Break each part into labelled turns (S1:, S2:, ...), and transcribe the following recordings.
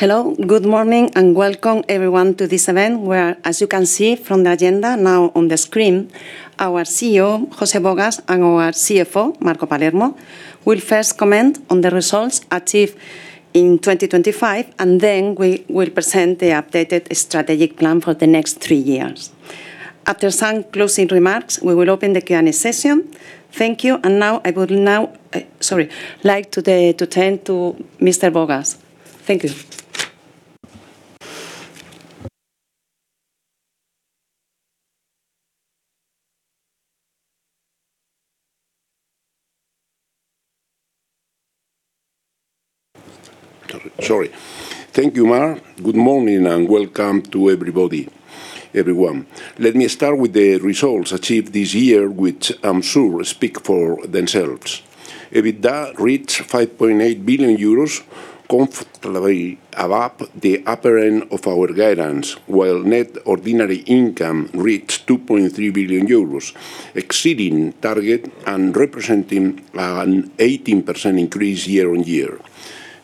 S1: Hello, good morning, and welcome everyone to this event, where, as you can see from the agenda now on the screen, our CEO, José Bogas, and our CFO, Marco Palermo, will first comment on the results achieved in 2025, and then we will present the updated strategic plan for the next three years. After some closing remarks, we will open the Q&A session. Thank you, now I would sorry, turn to Mr. Bogas. Thank you.
S2: Sorry. Thank you, Mar. Good morning. Welcome to everyone. Let me start with the results achieved this year, which I'm sure speak for themselves. EBITDA reached 5.8 billion euros, comfortably above the upper end of our guidance, while net ordinary income reached 2.3 billion euros, exceeding target and representing an 18% increase year-on-year.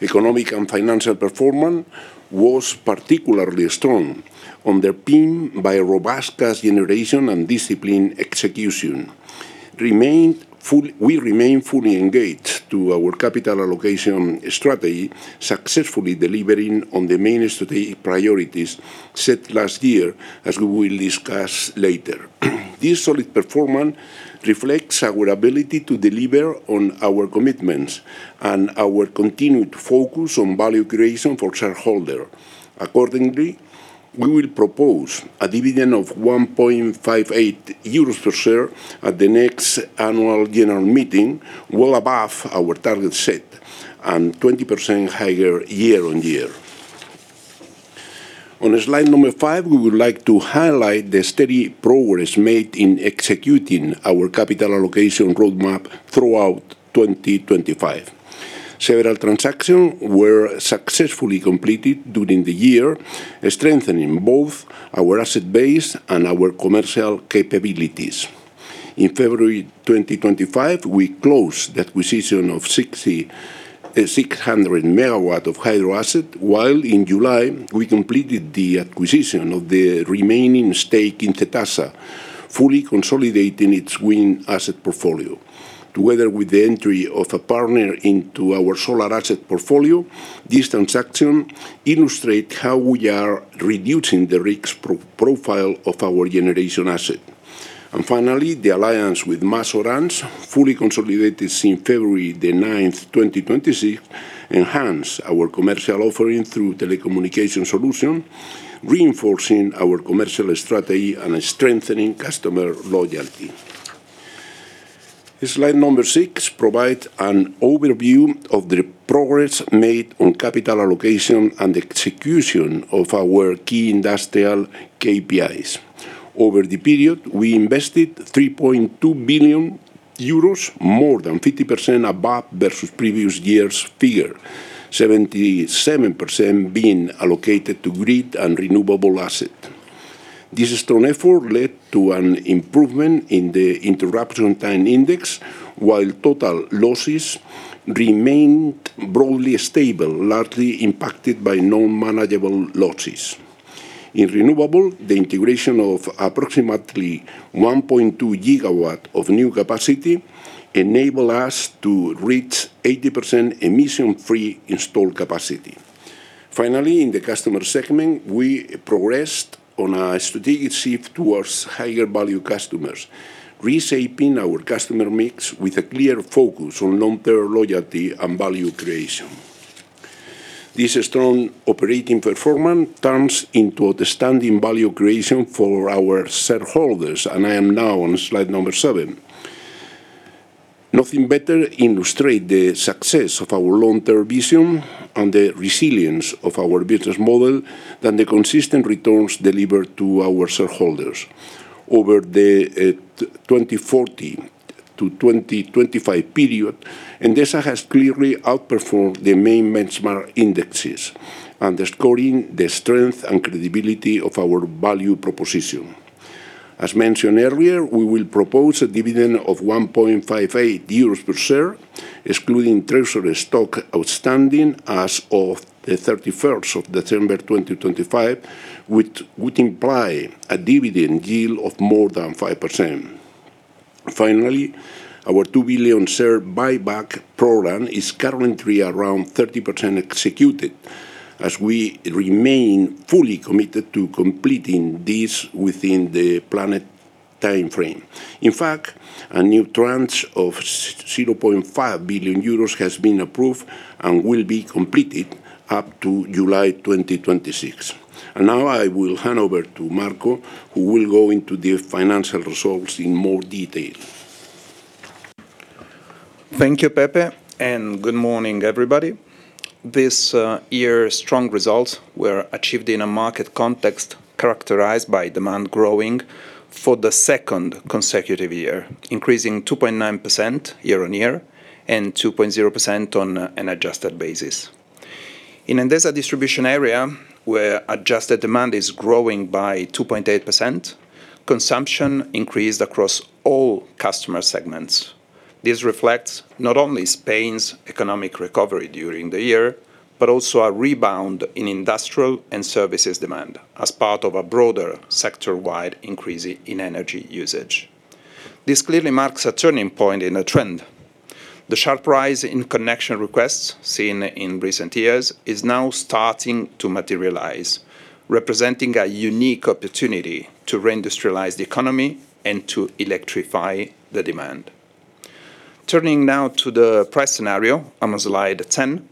S2: Economic and financial performance was particularly strong, underpinned by a robust cash generation and discipline execution. We remain fully engaged to our capital allocation strategy, successfully delivering on the main strategic priorities set last year, as we will discuss later. This solid performance reflects our ability to deliver on our commitments and our continued focus on value creation for shareholder. Accordingly, we will propose a dividend of 1.58 euros per share at the next annual general meeting, well above our target set and 20% higher year-on-year. On slide number five, we would like to highlight the steady progress made in executing our capital allocation roadmap throughout 2025. Several transactions were successfully completed during the year, strengthening both our asset base and our commercial capabilities. In February 2025, we closed the acquisition of 600 MW of hydro asset, while in July, we completed the acquisition of the remaining stake in Cetasa, fully consolidating its wind asset portfolio. Together with the entry of a partner into our solar asset portfolio, this transaction illustrate how we are reducing the risk profile of our generation asset. Finally, the alliance with MasOrange, fully consolidated since February 9th, 2026, enhanced our commercial offering through telecommunication solution, reinforcing our commercial strategy and strengthening customer loyalty. slide number six provides an overview of the progress made on capital allocation and execution of our key industrial KPIs. Over the period, we invested 3.2 billion euros, more than 50% above versus previous year's figure, 77% being allocated to grid and renewable asset. This strong effort led to an improvement in the interruption time index, while total losses remained broadly stable, largely impacted by non-manageable losses. In renewable, the integration of approximately 1.2 GW of new capacity enabled us to reach 80% emission-free installed capacity. Finally, in the customer segment, we progressed on a strategic shift towards higher-value customers, reshaping our customer mix with a clear focus on long-term loyalty and value creation. This strong operating performance turns into outstanding value creation for our shareholders. I am now on slide number seven. Nothing better illustrates the success of our long-term vision and the resilience of our business model than the consistent returns delivered to our shareholders. Over the 2014 to 2025 period, Endesa has clearly outperformed the main benchmark indexes, underscoring the strength and credibility of our value proposition. As mentioned earlier, we will propose a dividend of 1.58 euros per share, excluding treasury stock outstanding as of the 31st of December, 2025, which would imply a dividend yield of more than 5%. Finally, our 2 billion share buyback program is currently around 30% executed, as we remain fully committed to completing this within the planned timeframe. In fact, a new tranche of 0.5 billion euros has been approved and will be completed up to July 2026. Now I will hand over to Marco, who will go into the financial results in more detail.
S3: Thank you, Pepe. Good morning, everybody. This year's strong results were achieved in a market context characterized by demand growing for the second consecutive year, increasing 2.9% year-over-year and 2.0% on an adjusted basis. In Endesa distribution area, where adjusted demand is growing by 2.8%, consumption increased across all customer segments. This reflects not only Spain's economic recovery during the year, but also a rebound in industrial and services demand as part of a broader sector-wide increase in energy usage. This clearly marks a turning point in a trend. The sharp rise in connection requests seen in recent years is now starting to materialize, representing a unique opportunity to re-industrialize the economy and to electrify the demand. Turning now to the price scenario, I'm on slide 10.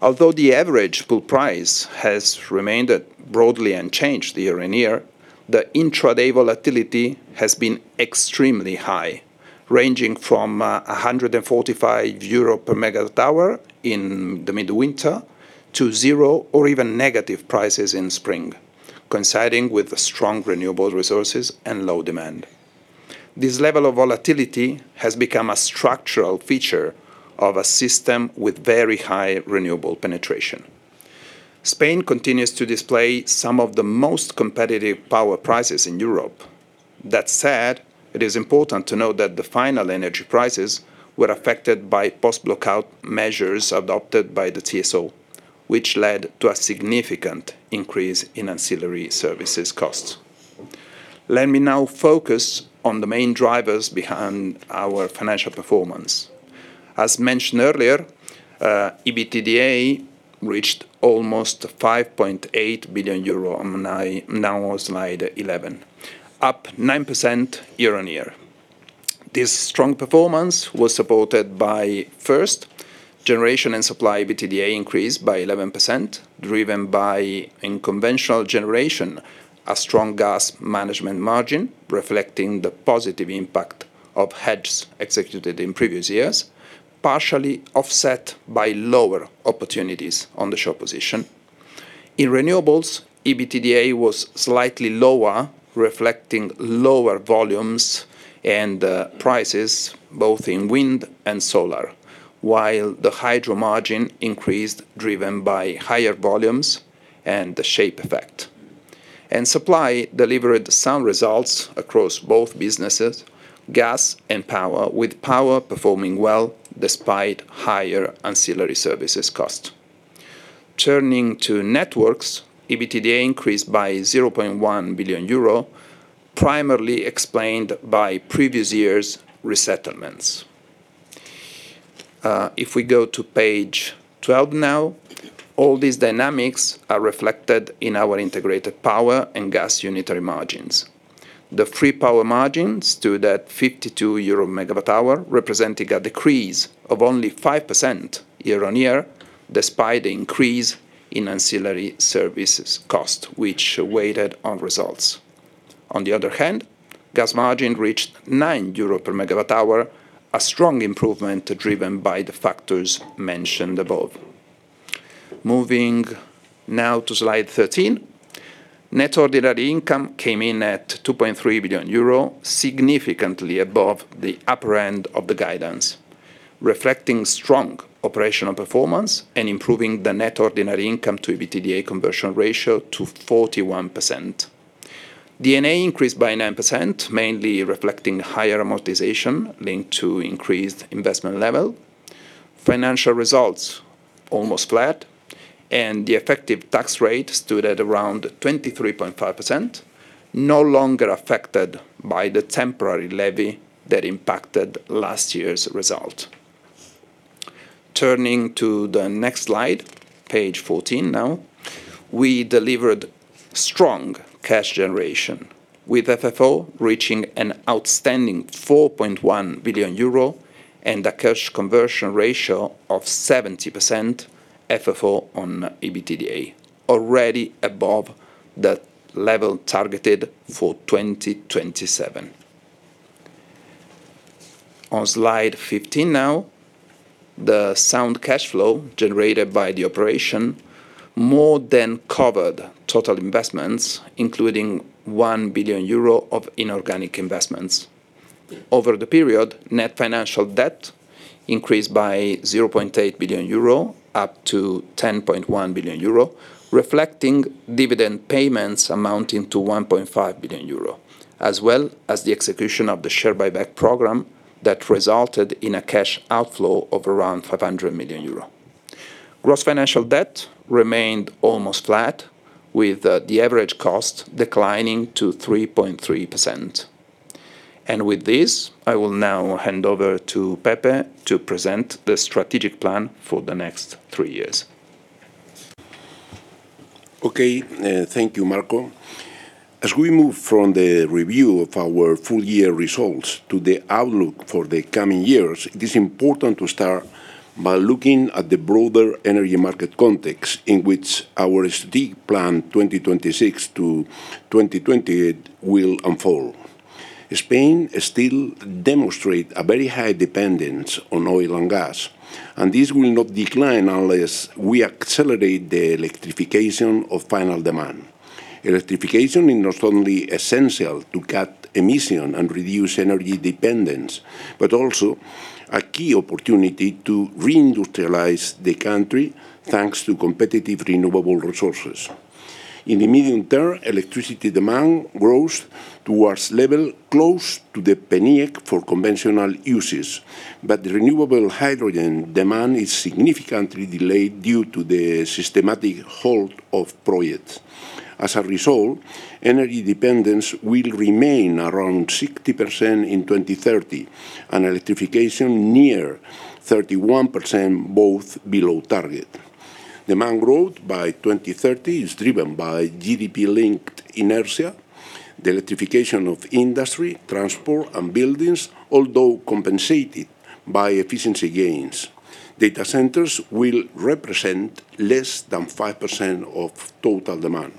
S3: Although the average pool price has remained at broadly unchanged year-on-year, the intraday volatility has been extremely high, ranging from 145 euro per MWh in the mid-winter, to zero or even negative prices in spring, coinciding with the strong renewable resources and low demand. This level of volatility has become a structural feature of a system with very high renewable penetration. Spain continues to display some of the most competitive power prices in Europe. That said, it is important to note that the final energy prices were affected by post-blackout measures adopted by the TSO, which led to a significant increase in ancillary services costs. Let me now focus on the main drivers behind our financial performance. As mentioned earlier, EBITDA reached almost 5.8 billion euro, now on slide 11, up 9% year-on-year. This strong performance was supported by, first, generation and supply EBITDA increased by 11%, driven by in conventional generation, a strong gas management margin, reflecting the positive impact of hedges executed in previous years, partially offset by lower opportunities on the short position. In renewables, EBITDA was slightly lower, reflecting lower volumes and prices, both in wind and solar, while the hydro margin increased, driven by higher volumes and the shape effect. Supply delivered sound results across both businesses, gas and power, with power performing well despite higher ancillary services cost. Turning to networks, EBITDA increased by 0.1 billion euro, primarily explained by previous years' resettlements. If we go to page 12 now, all these dynamics are reflected in our integrated power and gas unitary margins. The free power margins stood at 52 euro megawatt hour, representing a decrease of only 5% year-on-year, despite the increase in ancillary services cost, which weighed on results. On the other hand, gas margin reached 9 euro per megawatt hour, a strong improvement driven by the factors mentioned above. Moving now to slide 13, net ordinary income came in at 2.3 billion euro, significantly above the upper end of the guidance, reflecting strong operational performance and improving the net ordinary income to EBITDA conversion ratio to 41%. D&A increased by 9%, mainly reflecting higher amortization linked to increased investment level. Financial results, almost flat, and the effective tax rate stood at around 23.5%, no longer affected by the temporary levy that impacted last year's result. Turning to the next slide, page 14 now, we delivered strong cash generation, with FFO reaching an outstanding 4.1 billion euro and a cash conversion ratio of 70% FFO on EBITDA, already above the level targeted for 2027. On slide 15 now, the sound cash flow generated by the operation more than covered total investments, including 1 billion euro of inorganic investments. Over the period, net financial debt increased by 0.8 billion euro, up to 10.1 billion euro, reflecting dividend payments amounting to 1.5 billion euro, as well as the execution of the share buyback program that resulted in a cash outflow of around 500 million euro. Gross financial debt remained almost flat, with the average cost declining to 3.3%. With this, I will now hand over to Pepe to present the strategic plan for the next three years.
S2: Okay, thank you, Marco. As we move from the review of our full year results to the outlook for the coming years, it is important to start by looking at the broader energy market context in which our strategic plan 2026-2028 will unfold. Spain still demonstrate a very high dependence on oil and gas, and this will not decline unless we accelerate the electrification of final demand. Electrification is not only essential to cut emission and reduce energy dependence, but also a key opportunity to re-industrialize the country, thanks to competitive renewable resources. In the medium term, electricity demand towards level close to the PNIEC for conventional uses, but the renewable hydrogen demand is significantly delayed due to the systematic halt of projects. As a result, energy dependence will remain around 60% in 2030, and electrification near 31%, both below target. Demand growth by 2030 is driven by GDP-linked inertia, the electrification of industry, transport, and buildings, although compensated by efficiency gains. Data centers will represent less than 5% of total demand.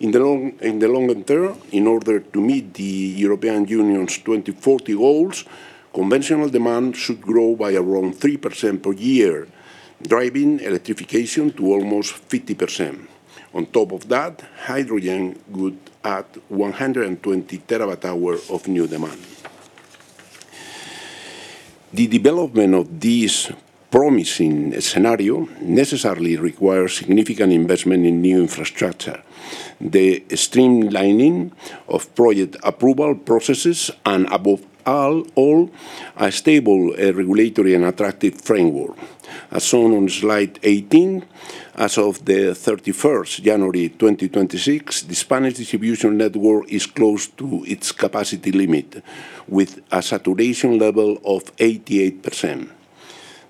S2: In the longer term, in order to meet the European Union's 2040 goals, conventional demand should grow by around 3% per year, driving electrification to almost 50%. On top of that, hydrogen would add 120 TWh of new demand. The development of this promising scenario necessarily requires significant investment in new infrastructure, the streamlining of project approval processes, and above all, a stable regulatory and attractive framework. As shown on slide 18, as of the 31st January 2026, the Spanish distribution network is close to its capacity limit, with a saturation level of 88%.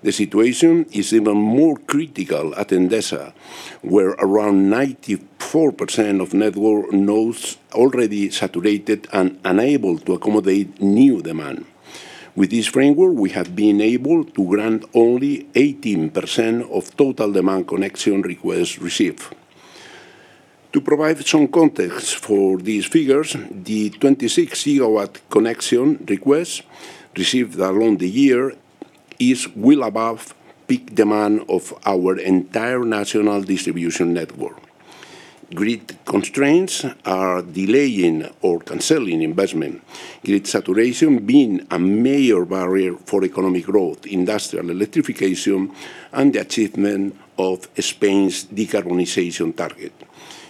S2: The situation is even more critical at Endesa, where around 94% of network nodes already saturated and unable to accommodate new demand. With this framework, we have been able to grant only 18% of total demand connection requests received. To provide some context for these figures, the 26 GW connection requests received along the year is well above peak demand of our entire national distribution network. Grid constraints are delaying or canceling investment, grid saturation being a major barrier for economic growth, industrial electrification, and the achievement of Spain's decarbonization target.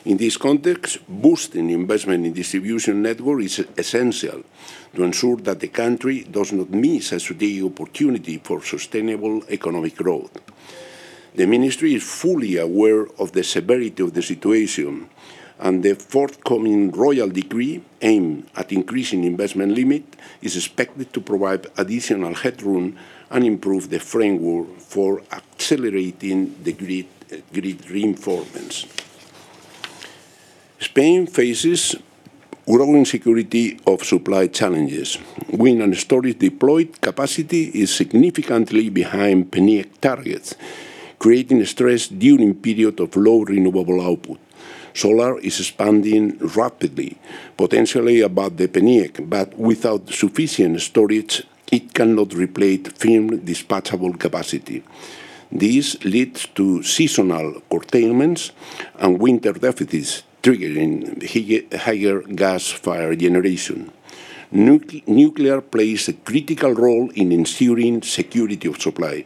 S2: In this context, boosting investment in distribution network is essential to ensure that the country does not miss a strategic opportunity for sustainable economic growth. The ministry is fully aware of the severity of the situation. The forthcoming royal decree, aimed at increasing investment limit, is expected to provide additional headroom and improve the framework for accelerating the grid reinforcements. Spain faces growing security of supply challenges. Wind and storage deployed capacity is significantly behind PNIEC targets, creating stress during period of low renewable output. Solar is expanding rapidly, potentially above the PNIEC, without sufficient storage, it cannot replace firm dispatchable capacity. This leads to seasonal curtailments and winter deficits, triggering higher gas fire generation. Nuclear plays a critical role in ensuring security of supply.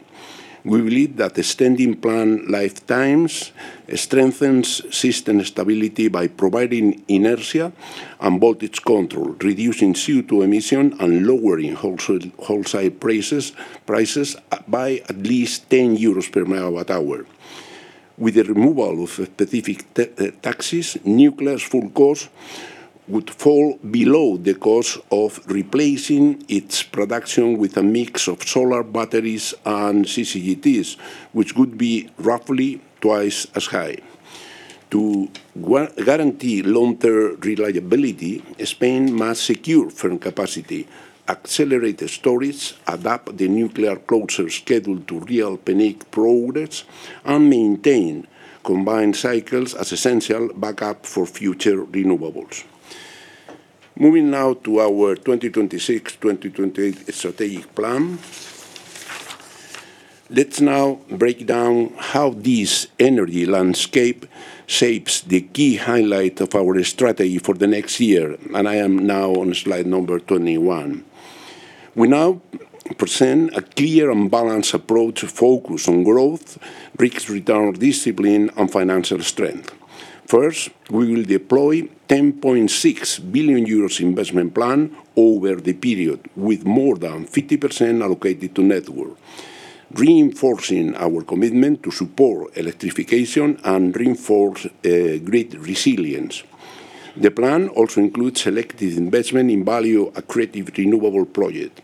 S2: We believe that extending plant lifetimes strengthens system stability by providing inertia and voltage control, reducing CO2 emission, and lowering wholesale prices by at least 10 euros per megawatt hour. With the removal of specific taxes, nuclear's full cost would fall below the cost of replacing its production with a mix of solar batteries and CCGTs, which would be roughly twice as high. To guarantee long-term reliability, Spain must secure firm capacity, accelerate the storage, adapt the nuclear closure schedule to real PNIEC progress, and maintain combined cycles as essential backup for future renewables. Moving now to our 2026, 2028 strategic plan. Let's now break down how this energy landscape shapes the key highlight of our strategy for the next year, and I am now on slide number 21. We now present a clear and balanced approach focused on growth, risk return discipline, and financial strength. We will deploy 10.6 billion euros investment plan over the period, with more than 50% allocated to network, reinforcing our commitment to support electrification and reinforce grid resilience. The plan also includes selected investment in value accretive renewable project.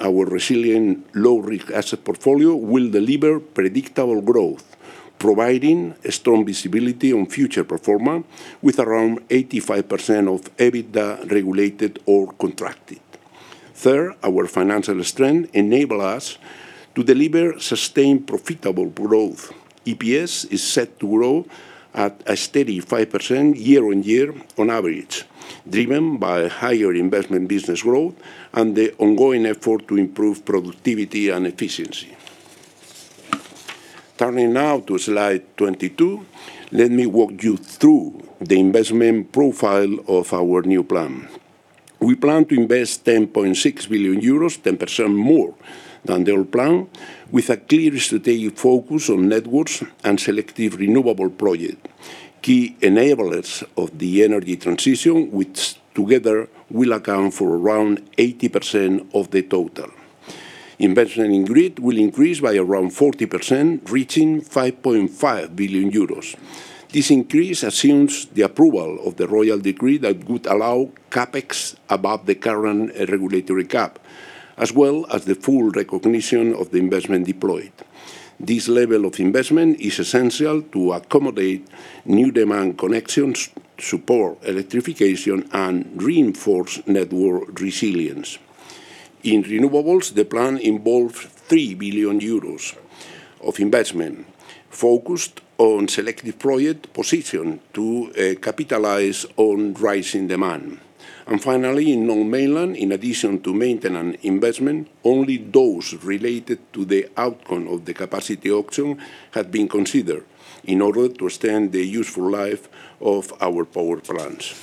S2: Our resilient low-risk asset portfolio will deliver predictable growth, providing a strong visibility on future performance, with around 85% of EBITDA regulated or contracted. Our financial strength enable us to deliver sustained, profitable growth. EPS is set to grow at a steady 5% year-on-year on average, driven by higher investment business growth and the ongoing effort to improve productivity and efficiency. Turning now to slide 22, let me walk you through the investment profile of our new plan. We plan to invest 10.6 billion euros, 10% more than the old plan, with a clear strategic focus on networks and selective renewable project, key enablers of the energy transition, which together will account for around 80% of the total. Investment in grid will increase by around 40%, reaching 5.5 billion euros. This increase assumes the approval of the royal decree that would allow CapEx above the current regulatory cap, as well as the full recognition of the investment deployed. This level of investment is essential to accommodate new demand connections, support electrification, and reinforce network resilience. In renewables, the plan involves 3 billion euros of investment focused on selective project position to capitalize on rising demand. Finally, in non-mainland, in addition to maintenance investment, only those related to the outcome of the capacity auction have been considered in order to extend the useful life of our power plants.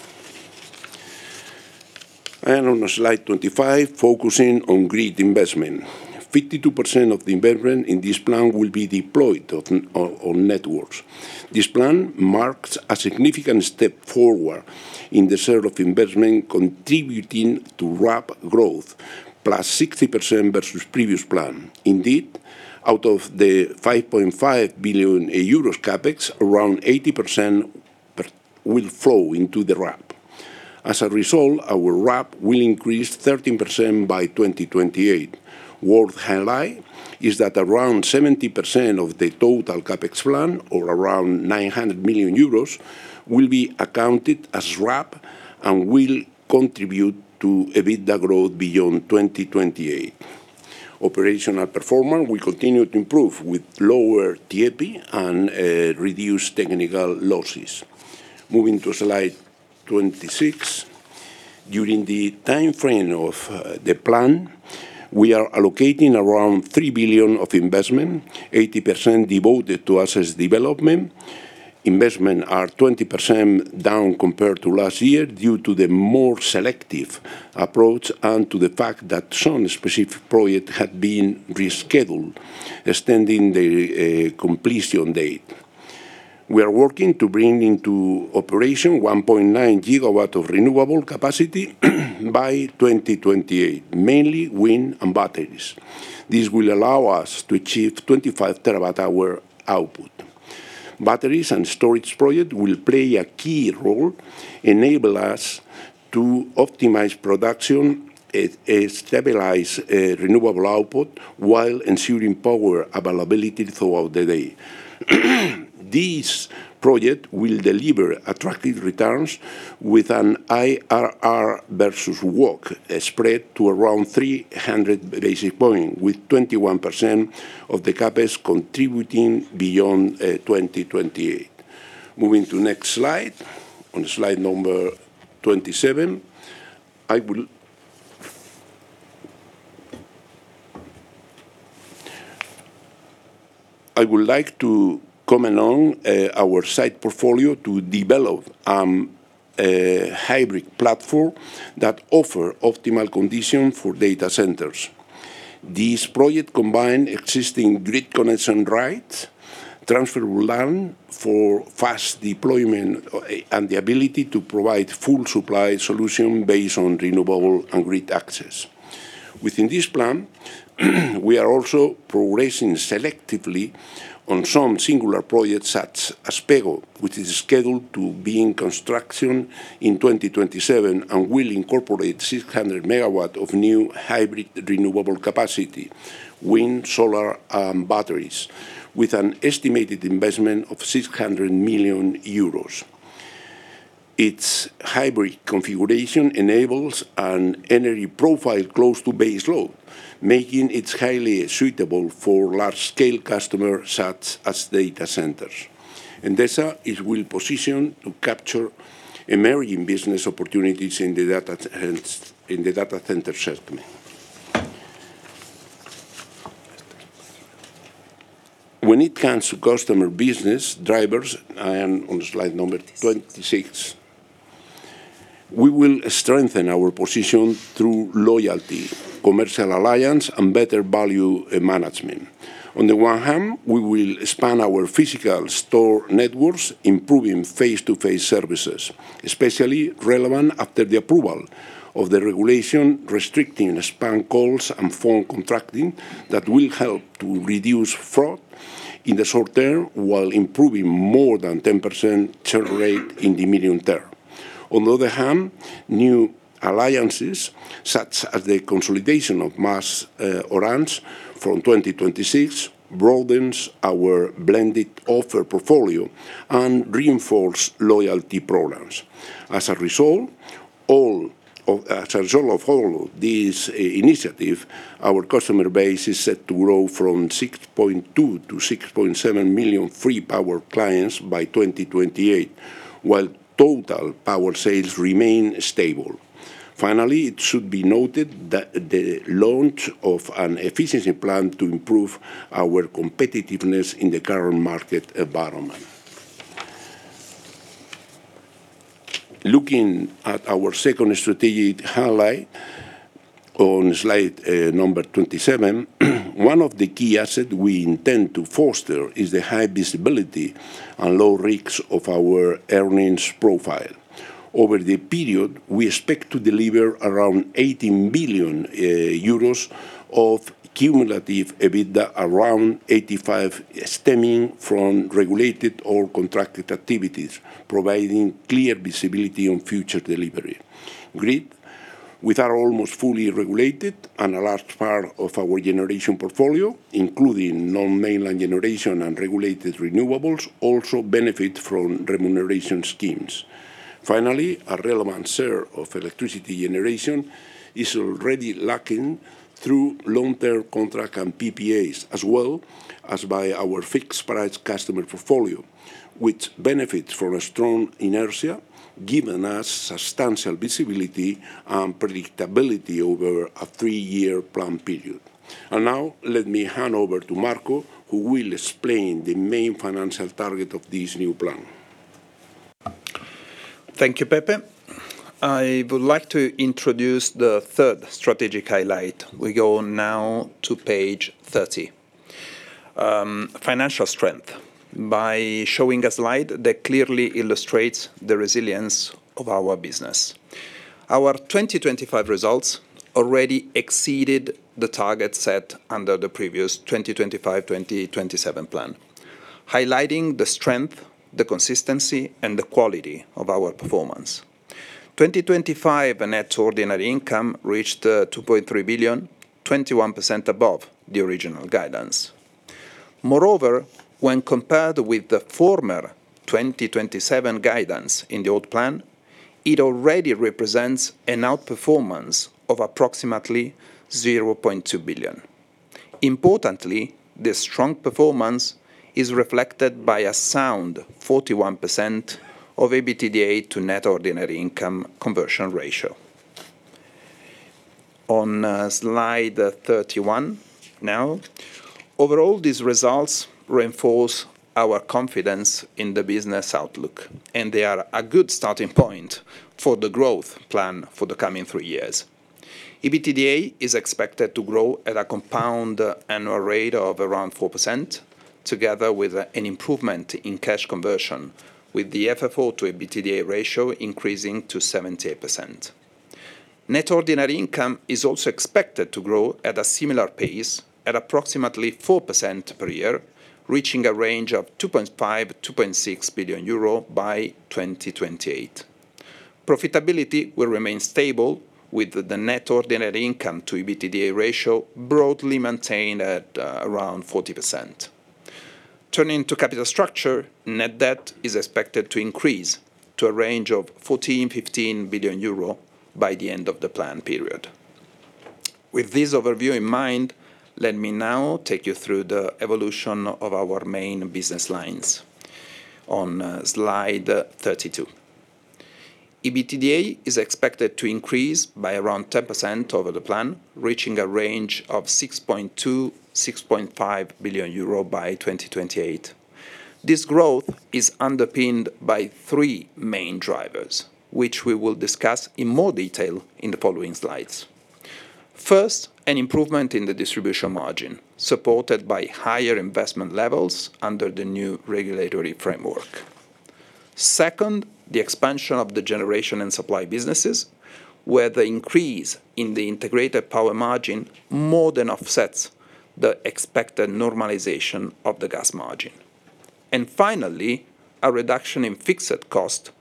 S2: On slide 25, focusing on grid investment. 52% of the investment in this plan will be deployed on networks. This plan marks a significant step forward in the sale of investment, contributing to RAP growth, +60% versus previous plan. Indeed, out of the 5.5 billion euros CapEx, around 80% will flow into the RAP. As a result, our RAP will increase 13% by 2028. Worth highlight is that around 70% of the total CapEx plan, or around 900 million euros, will be accounted as RAP and will contribute to EBITDA growth beyond 2028. Operational performance will continue to improve with lower TIEPI and, reduced technical losses. Moving to slide 26. During the timeframe of the plan, we are allocating around 3 billion of investment, 80% devoted to assets development. Investment are 20% down compared to last year due to the more selective approach and to the fact that some specific project had been rescheduled, extending the completion date. We are working to bring into operation 1.9 GW of renewable capacity by 2028, mainly wind and batteries. This will allow us to achieve 25 TWh output. Batteries and storage project will play a key role, enable us to optimize production, stabilize renewable output, while ensuring power availability throughout the day. This project will deliver attractive returns with an IRR versus WACC spread to around 300 basis points, with 21% of the CapEx contributing beyond 2028. Moving to next slide. On slide number 27, I would like to comment on our site portfolio to develop a hybrid platform that offer optimal conditions for data centers. This project combine existing grid connection rights, transferable land for fast deployment, and the ability to provide full supply solution based on renewable and grid access. Within this plan, we are also progressing selectively on some singular projects, such as Pego, which is scheduled to be in construction in 2027, and will incorporate 600 MW of new hybrid renewable capacity: wind, solar, and batteries, with an estimated investment of 600 million euros. Its hybrid configuration enables an energy profile close to baseload, making it highly suitable for large-scale customers, such as data centers. Endesa is well positioned to capture emerging business opportunities in the data center segment. When it comes to customer business drivers, on slide number 26, we will strengthen our position through loyalty, commercial alliance, and better value management. On the one hand, we will expand our physical store networks, improving face-to-face services, especially relevant after the approval of the regulation restricting spam calls and phone contracting that will help to reduce fraud in the short term, while improving more than 10% churn rate in the medium term. On the other hand, new alliances, such as the consolidation of Mas Orange from 2026, broadens our blended offer portfolio and reinforce loyalty programs. As a result of all these initiative, our customer base is set to grow from 6.2 million-6.7 million free power clients by 2028, while total power sales remain stable. Finally, it should be noted that the launch of an efficiency plan to improve our competitiveness in the current market environment. Looking at our second strategic highlight on slide number 27, one of the key asset we intend to foster is the high visibility and low risks of our earnings profile. Over the period, we expect to deliver around 18 billion euros of cumulative EBITDA, around 85 stemming from regulated or contracted activities, providing clear visibility on future delivery. Grid, with are almost fully regulated and a large part of our generation portfolio, including non-mainland generation and regulated renewables, also benefit from remuneration schemes. Finally, a relevant share of electricity generation is already lacking through long-term contract and PPAs, as well as by our fixed-price customer portfolio, which benefits from a strong inertia, giving us substantial visibility and predictability over a three-year plan period. Now, let me hand over to Marco, who will explain the main financial target of this new plan.
S3: Thank you, Pepe. I would like to introduce the third strategic highlight. We go now to page 30. Financial strength, by showing a slide that clearly illustrates the resilience of our business. Our 2025 results already exceeded the target set under the previous 2025-2027 plan, highlighting the strength, the consistency, and the quality of our performance. 2025 net ordinary income reached 2.3 billion, 21% above the original guidance. Moreover, when compared with the former 2027 guidance in the old plan, it already represents an outperformance of approximately 0.2 billion. Importantly, this strong performance is reflected by a sound 41% of EBITDA to net ordinary income conversion ratio. On slide 31 now. Overall, these results reinforce our confidence in the business outlook, and they are a good starting point for the growth plan for the coming three years. EBITDA is expected to grow at a compound annual rate of around 4%, together with an improvement in cash conversion, with the FFO to EBITDA ratio increasing to 78%. Net ordinary income is also expected to grow at a similar pace, at approximately 4% per year, reaching a range of 2.5 billion-2.6 billion euro by 2028. Profitability will remain stable, with the net ordinary income to EBITDA ratio broadly maintained at around 40%. Turning to capital structure, net debt is expected to increase to a range of 14 billion-15 billion euro by the end of the plan period. With this overview in mind, let me now take you through the evolution of our main business lines on slide 32. EBITDA is expected to increase by around 10% over the plan, reaching a range of 6.2 billion-6.5 billion euro by 2028. This growth is underpinned by three main drivers, which we will discuss in more detail in the following slides. First, an improvement in the distribution margin, supported by higher investment levels under the new regulatory framework. Second, the expansion of the generation and supply businesses, where the increase in the integrated power margin more than offsets the expected normalization of the gas margin. Finally, a reduction in fixed cost,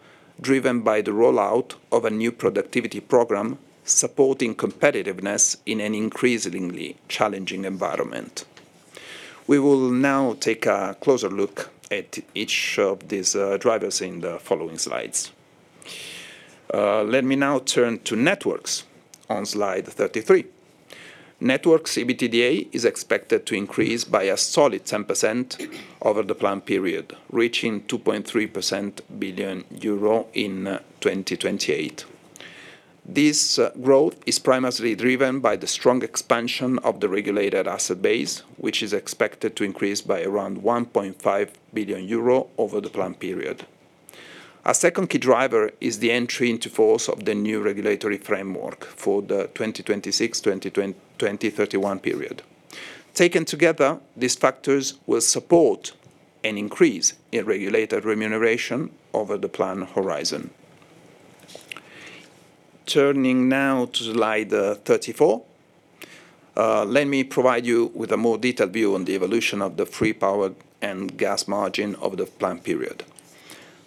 S3: driven by the rollout of a new productivity program, supporting competitiveness in an increasingly challenging environment. We will now take a closer look at each of these drivers in the following slides. Let me now turn to networks on slide 33. Networks EBITDA is expected to increase by a solid 10% over the plan period, reaching 2.3% billion EUR in 2028. This growth is primarily driven by the strong expansion of the Regulated Asset Base, which is expected to increase by around 1.5 billion euro over the plan period. Our second key driver is the entry into force of the new regulatory framework for the 2026-2031 period. Taken together, these factors will support an increase in regulated remuneration over the plan horizon. Turning now to slide 34, let me provide you with a more detailed view on the evolution of the Free Power and Gas Margin over the plan period.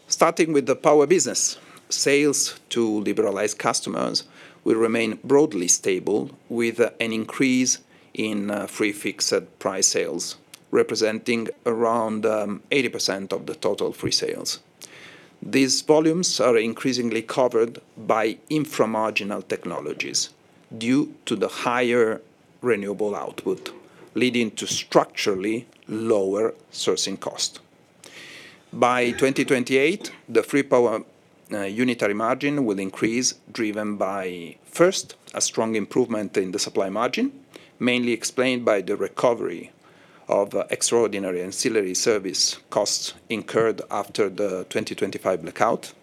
S3: Starting with the power business, sales to liberalized customers will remain broadly stable, with an increase in free fixed-price sales, representing around 80% of the total free sales. These volumes are increasingly covered by infra-marginal technologies due to the higher renewable output, leading to structurally lower sourcing cost. By 2028, the free power unitary margin will increase, driven by, first, a strong improvement in the supply margin, mainly explained by the recovery of extraordinary ancillary service costs incurred after the 2025 blackout,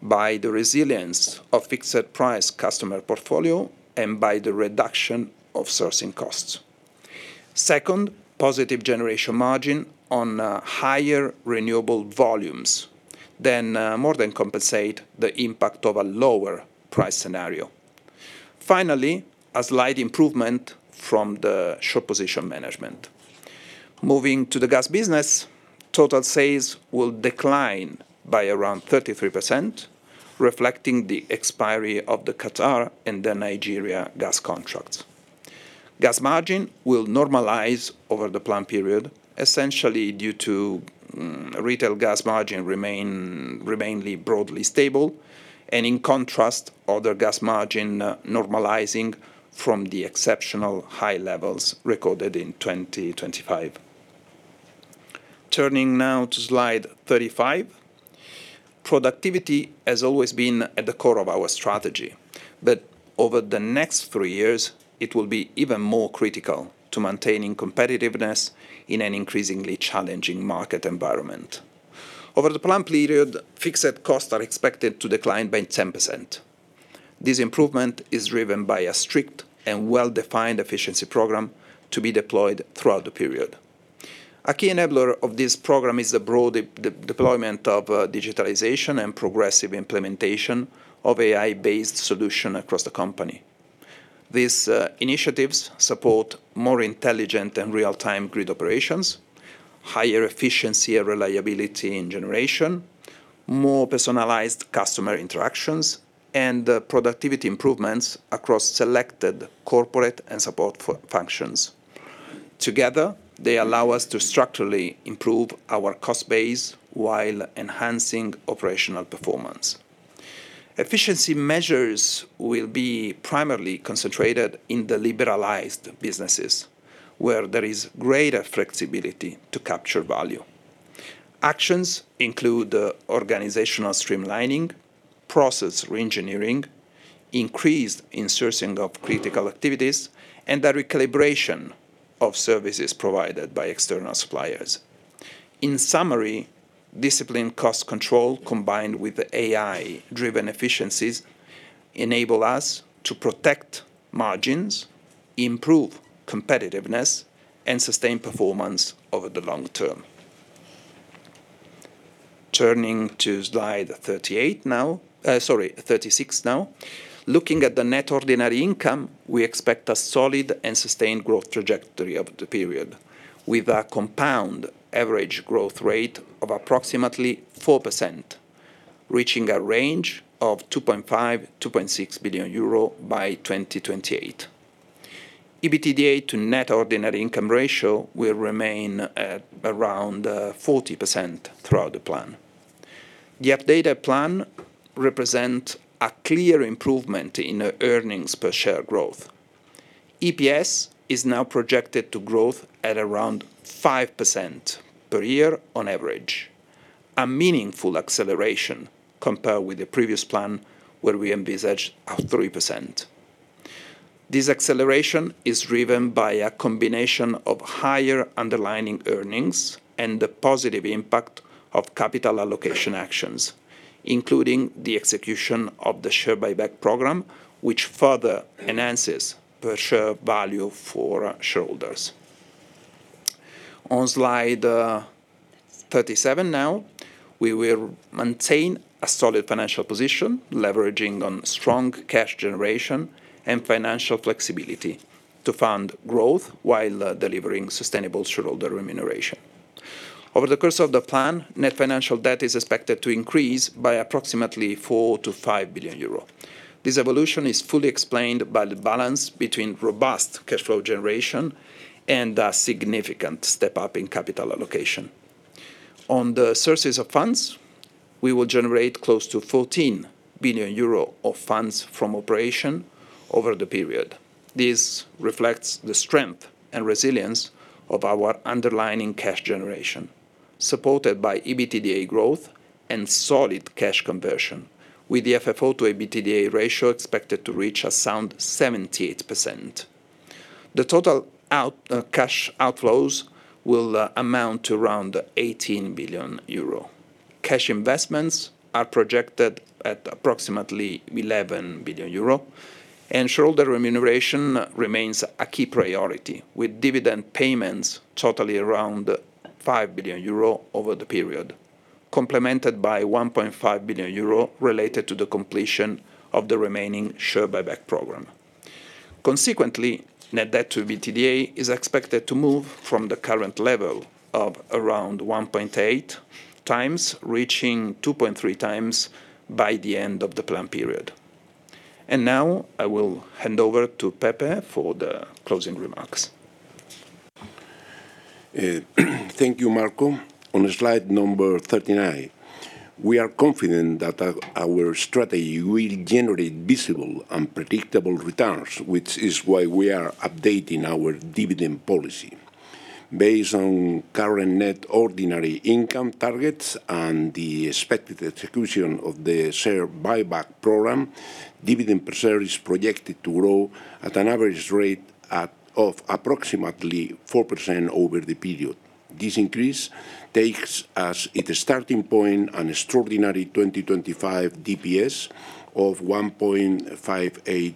S3: by the resilience of fixed-price customer portfolio, and by the reduction of sourcing costs. Second, positive generation margin on higher renewable volumes than more than compensate the impact of a lower price scenario. Finally, a slight improvement from the short position management. Moving to the gas business, total sales will decline by around 33%, reflecting the expiry of the Qatar and the Nigeria gas contracts. Gas margin will normalize over the plan period, essentially due to retail gas margin remainly broadly stable, and in contrast, other gas margin normalizing from the exceptional high levels recorded in 2025. Turning now to slide 35. Productivity has always been at the core of our strategy, but over the next three years, it will be even more critical to maintaining competitiveness in an increasingly challenging market environment. Over the plan period, fixed costs are expected to decline by 10%. This improvement is driven by a strict and well-defined efficiency program to be deployed throughout the period. A key enabler of this program is the broad deployment of digitalization and progressive implementation of AI-based solution across the company. These initiatives support more intelligent and real-time grid operations, higher efficiency and reliability in generation, more personalized customer interactions, and productivity improvements across selected corporate and support functions. Together, they allow us to structurally improve our cost base while enhancing operational performance. Efficiency measures will be primarily concentrated in the liberalized businesses, where there is greater flexibility to capture value. Actions include the organizational streamlining, process reengineering, increased insourcing of critical activities, and the recalibration of services provided by external suppliers. In summary, disciplined cost control, combined with the AI-driven efficiencies, enable us to protect margins, improve competitiveness, and sustain performance over the long term. Turning to slide 38 now. Sorry, 36 now. Looking at the net ordinary income, we expect a solid and sustained growth trajectory over the period, with a compound average growth rate of approximately 4%, reaching a range of 2.5 billion-2.6 billion euro by 2028. EBITDA to net ordinary income ratio will remain at around 40% throughout the plan. The updated plan represent a clear improvement in the earnings per share growth. EPS is now projected to growth at around 5% per year on average, a meaningful acceleration compared with the previous plan, where we envisaged a 3%. This acceleration is driven by a combination of higher underlying earnings and the positive impact of capital allocation actions, including the execution of the share buyback program, which further enhances per share value for our shareholders. On slide 37 now, we will maintain a solid financial position, leveraging on strong cash generation and financial flexibility to fund growth while delivering sustainable shareholder remuneration. Over the course of the plan, net financial debt is expected to increase by approximately 4 billion-5 billion euro. This evolution is fully explained by the balance between robust cash flow generation and a significant step-up in capital allocation. On the sources of funds, we will generate close to 14 billion euro of funds from operation over the period. This reflects the strength and resilience of our underlying cash generation, supported by EBITDA growth and solid cash conversion, with the FFO to EBITDA ratio expected to reach a sound 78%. The total cash outflows will amount to around 18 billion euro. Cash investments are projected at approximately 11 billion euro. Shareholder remuneration remains a key priority, with dividend payments totally around 5 billion euro over the period, complemented by 1.5 billion euro related to the completion of the remaining share buyback program. Consequently, net debt to EBITDA is expected to move from the current level of around 1.8x, reaching 2.3x by the end of the plan period. Now I will hand over to Pepe for the closing remarks.
S2: Thank you, Marco. On slide number 39, we are confident that our strategy will generate visible and predictable returns, which is why we are updating our dividend policy. Based on current net ordinary income targets and the expected execution of the share buyback program, DPS is projected to grow at an average rate of approximately 4% over the period. This increase takes as its starting point an extraordinary 2025 DPS of 1.58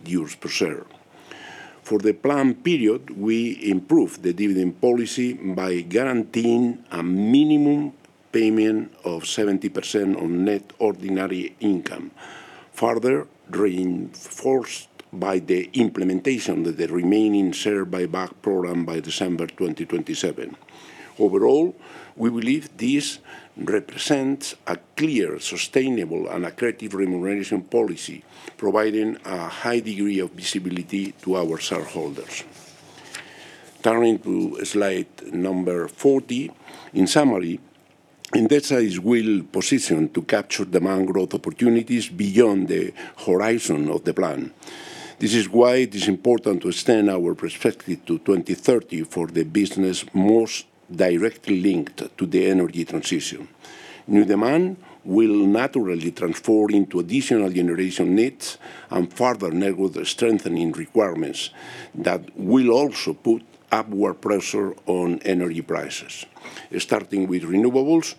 S2: euros per share. For the planned period, we improved the dividend policy by guaranteeing a minimum payment of 70% on net ordinary income, further reinforced by the implementation of the remaining share buyback program by December 2027. Overall, we believe this represents a clear, sustainable, and attractive remuneration policy, providing a high degree of visibility to our shareholders. Turning to slide number 40. In summary, Endesa is well positioned to capture demand growth opportunities beyond the horizon of the plan. This is why it is important to extend our perspective to 2030 for the business most directly linked to the energy transition. New demand will naturally transform into additional generation needs and further network strengthening requirements that will also put upward pressure on energy prices. Starting with renewables,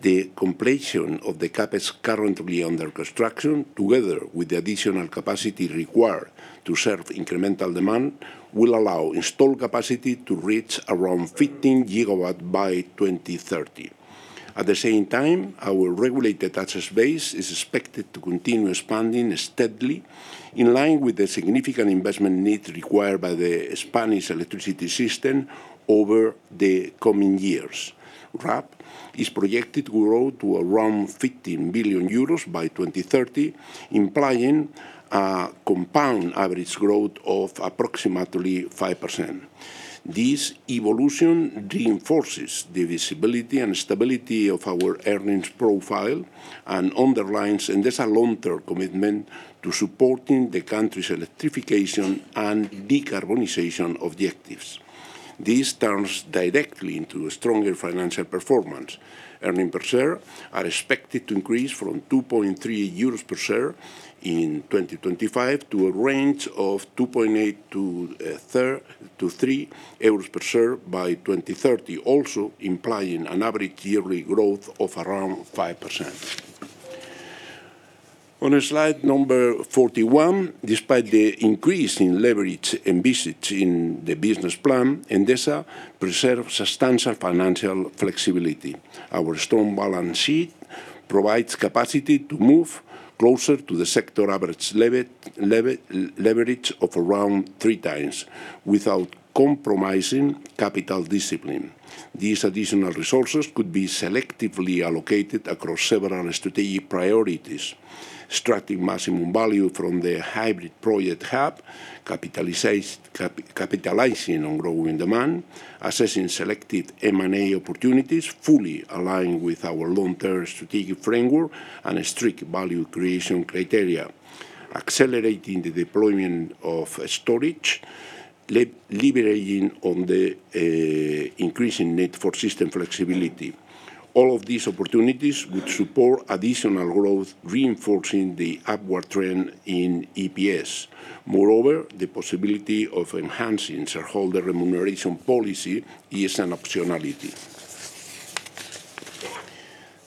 S2: the completion of the CapEx currently under construction, together with the additional capacity required to serve incremental demand, will allow installed capacity to reach around 15 GW by 2030. At the same time, our regulated assets base is expected to continue expanding steadily, in line with the significant investment needs required by the Spanish electricity system over the coming years. RAB is projected to grow to around 15 billion euros by 2030, implying a compound average growth of approximately 5%. This evolution reinforces the visibility and stability of our earnings profile and underlines Endesa's long-term commitment to supporting the country's electrification and decarbonization objectives. This turns directly into a stronger financial performance. Earnings per share are expected to increase from 2.3 euros per share in 2025 to a range of 2.8-3 euros per share by 2030, also implying an average yearly growth of around 5%. On slide number 41, despite the increase in leverage envisaged in the business plan, Endesa preserves substantial financial flexibility. Our strong balance sheet provides capacity to move closer to the sector average leverage of around 3x, without compromising capital discipline. These additional resources could be selectively allocated across several strategic priorities: extracting maximum value from the hybrid project hub, capitalizing on growing demand, assessing selective M&A opportunities, fully aligned with our long-term strategic framework and a strict value creation criteria, accelerating the deployment of storage, leveraging on the increasing need for system flexibility. All of these opportunities would support additional growth, reinforcing the upward trend in EPS. The possibility of enhancing shareholder remuneration policy is an optionality.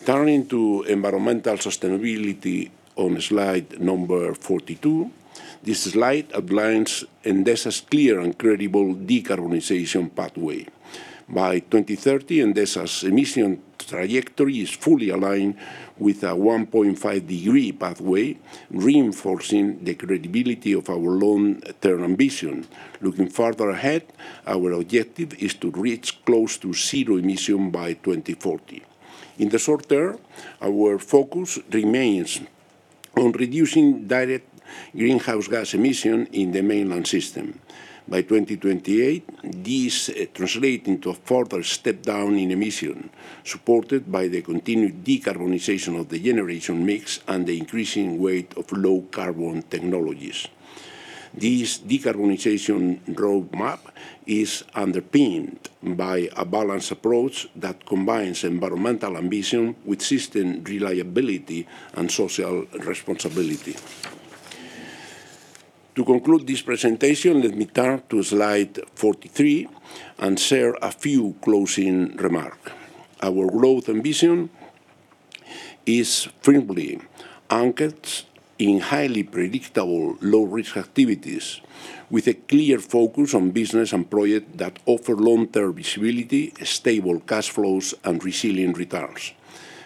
S2: Turning to environmental sustainability on slide number 42. This slide outlines Endesa's clear and credible decarbonization pathway. By 2030, Endesa's emission trajectory is fully aligned with a 1.5 degree pathway, reinforcing the credibility of our long-term ambition. Looking farther ahead, our objective is to reach close to zero emission by 2040. In the short term, our focus remains on reducing direct greenhouse gas emission in the mainland system. By 2028, this translate into a further step down in emission, supported by the continued decarbonization of the generation mix and the increasing weight of low-carbon technologies. This decarbonization roadmap is underpinned by a balanced approach that combines environmental ambition with system reliability and social responsibility. To conclude this presentation, let me turn to slide 43 and share a few closing remark. Our growth and vision is firmly anchored in highly predictable, low-risk activities, with a clear focus on business and project that offer long-term visibility, stable cash flows, and resilient returns.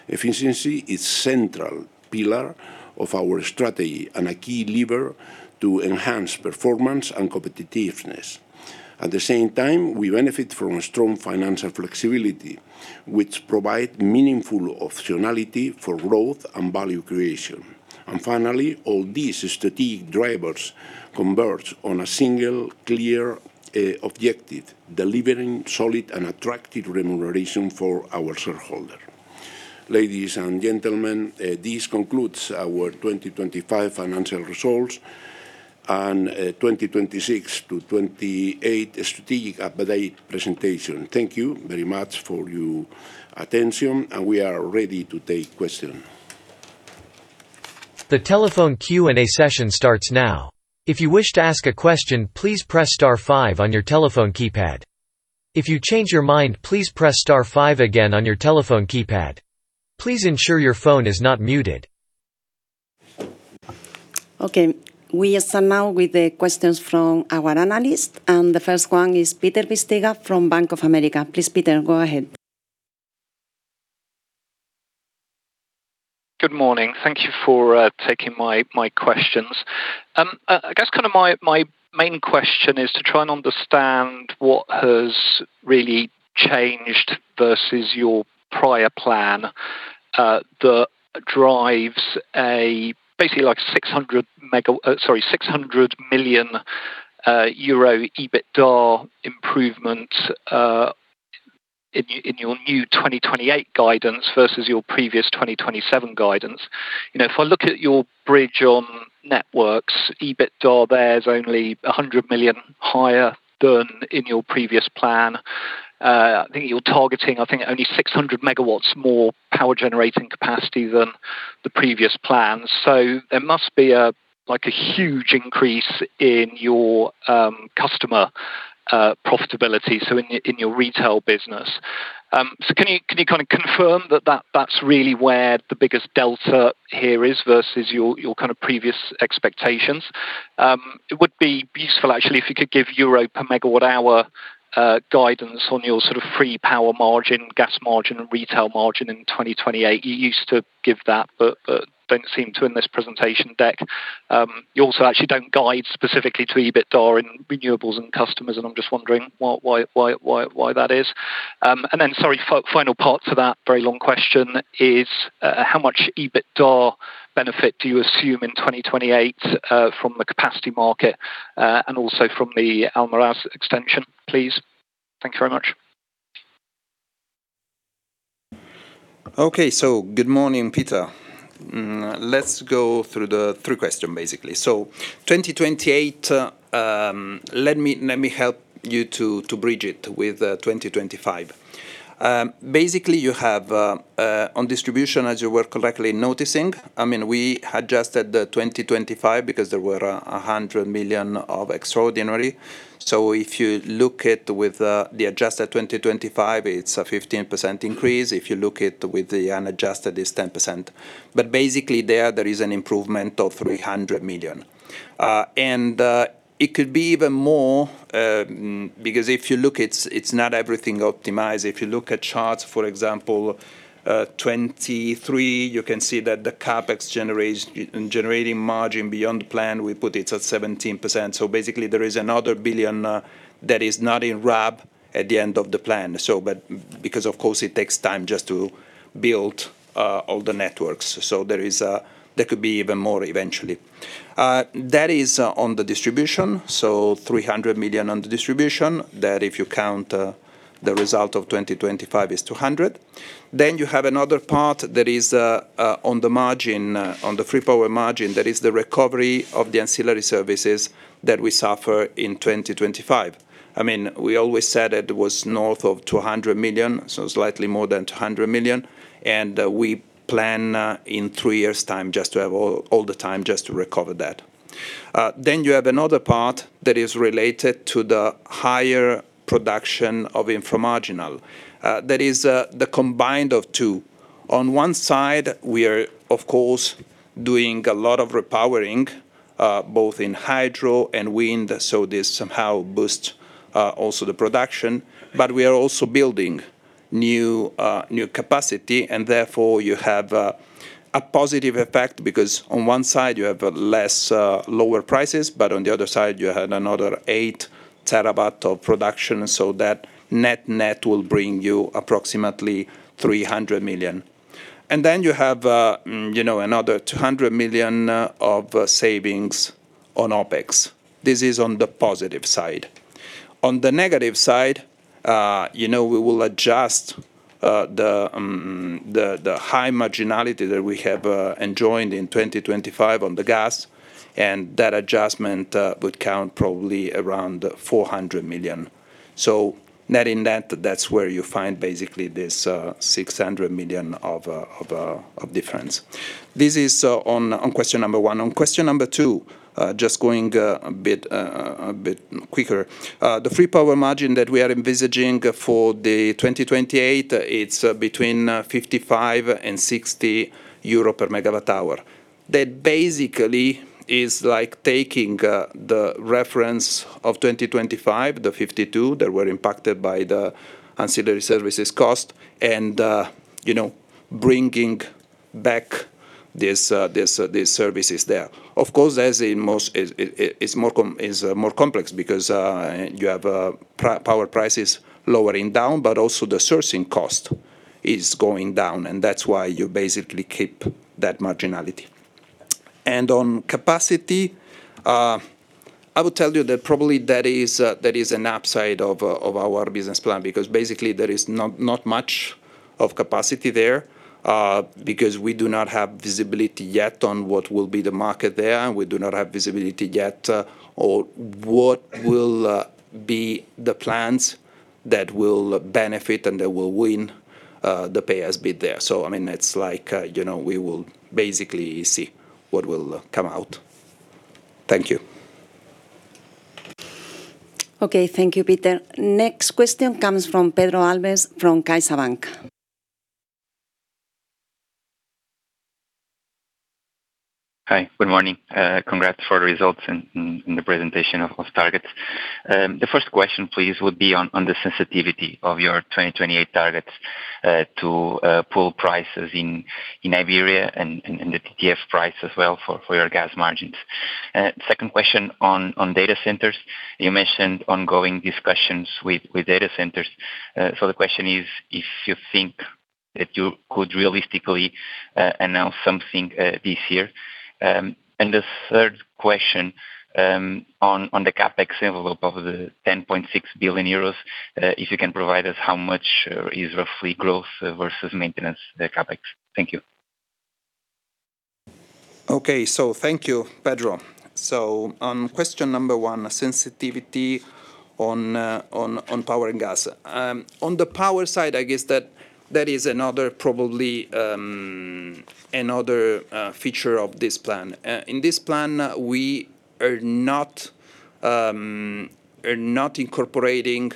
S2: Efficiency is central pillar of our strategy and a key lever to enhance performance and competitiveness. At the same time, we benefit from a strong financial flexibility, which provide meaningful optionality for growth and value creation. Finally, all these strategic drivers converge on a single clear, objective: delivering solid and attractive remuneration for our shareholder. Ladies and gentlemen, this concludes our 2025 financial results and, 2026-2028 strategic update presentation. Thank you very much for your attention, and we are ready to take question.
S4: The telephone Q&A session starts now. If you wish to ask a question, please press star five on your telephone keypad. If you change your mind, please press star five again on your telephone keypad. Please ensure your phone is not muted.
S1: Okay, we start now with the questions from our analysts. The first one is Peter Bisztyga from Bank of America. Please, Peter, go ahead.
S5: Good morning. Thank you for taking my questions. I guess kind of my main question is to try and understand what has really changed versus your prior plan that drives a basically like 600 mega, sorry, 600 million euro EBITDA improvement in your new 2028 guidance versus your previous 2027 guidance. You know, if I look at your bridge on networks EBITDA, there's only 100 million higher than in your previous plan. I think you're targeting only 600 MW more power-generating capacity than the previous plan. There must be a, like, a huge increase in your customer profitability, so in your retail business. Can you kind of confirm that that's really where the biggest delta here is versus your kind of previous expectations? It would be useful, actually, if you could give euro per megawatt-hour guidance on your sort of free power margin, gas margin, and retail margin in 2028. You used to give that, don't seem to in this presentation deck. You also actually don't guide specifically to EBITDA in renewables and customers, I'm just wondering why that is. Sorry, final part to that very long question is, how much EBITDA benefit do you assume in 2028 from the capacity market and also from the Almaraz extension, please? Thank you very much.
S3: Okay. good morning, Peter. Let's go through the three question, basically. 2028, let me help you to bridge it with 2025. Basically, you have on distribution, as you were correctly noticing, I mean, we adjusted the 2025 because there were 100 million of extraordinary. If you look at with the adjusted 2025, it's a 15% increase. If you look at with the unadjusted, it's 10%. Basically there is an improvement of 300 million. It could be even more because if you look, it's not everything optimized. If you look at charts, for example, 23, you can see that the CapEx generating margin beyond plan, we put it at 17%. Basically, there is another 1 billion, that is not in RAB at the end of the plan. But because, of course, it takes time just to build all the networks. There is, there could be even more eventually. That is, on the distribution, 300 million on the distribution, that if you count the result of 2025 is 200 million. You have another part that is, on the margin, on the free power margin, that is the recovery of the ancillary services that we suffer in 2025. I mean, we always said it was north of 200 million, slightly more than 200 million, and, we plan in three years' time just to have all the time just to recover that. Then you have another part that is related to the higher production of inframarginal. That is the combined of two. On one side, we are, of course, doing a lot of repowering, both in hydro and wind, so this somehow boosts also the production. We are also building new capacity, and therefore, you have a positive effect, because on one side, you have a less, lower prices, but on the other side, you had another 8 terabyte of production. That net-net will bring you approximately 300 million. Then you have, you know, another 200 million of savings on OpEx. This is on the positive side. On the negative side, you know, we will adjust the high marginality that we have enjoyed in 2025 on the gas, and that adjustment would count probably around 400 million. Net in net, that's where you find basically this 600 million of difference. This is on question number one. On question number two, just going a bit quicker. The free power margin that we are envisaging for the 2028, it's between 55 per MWh and 60 euro per MWh. That basically is like taking the reference of 2025, the 52, that were impacted by the ancillary services cost, and you know, bringing back these services there. Of course, as in most, it's more complex because you have power prices lowering down, but also the sourcing cost is going down, and that's why you basically keep that marginality. On capacity, I would tell you that probably that is an upside of our business plan, because basically there is not much of capacity there, because we do not have visibility yet on what will be the market there, and we do not have visibility yet on what will be the plans that will benefit and that will win the payers bid there. I mean, it's like, you know, we will basically see what will come out. Thank you.
S1: Okay, thank you, Peter. Next question comes from Pedro Alves from CaixaBank.
S6: Hi, good morning. Congrats for the results and the presentation of targets. The first question, please, would be on the sensitivity of your 2028 targets to pool prices in Iberia and the TTF price as well for your gas margins. Second question on data centers: you mentioned ongoing discussions with data centers. The question is, if you think that you could realistically announce something this year? The third question on the CapEx envelope of 10.6 billion euros, if you can provide us how much is roughly growth versus maintenance, the CapEx. Thank you.
S3: Okay. Thank you, Pedro. On question number one, sensitivity on power and gas. On the power side, I guess that is another probably another feature of this plan. In this plan, we are not incorporating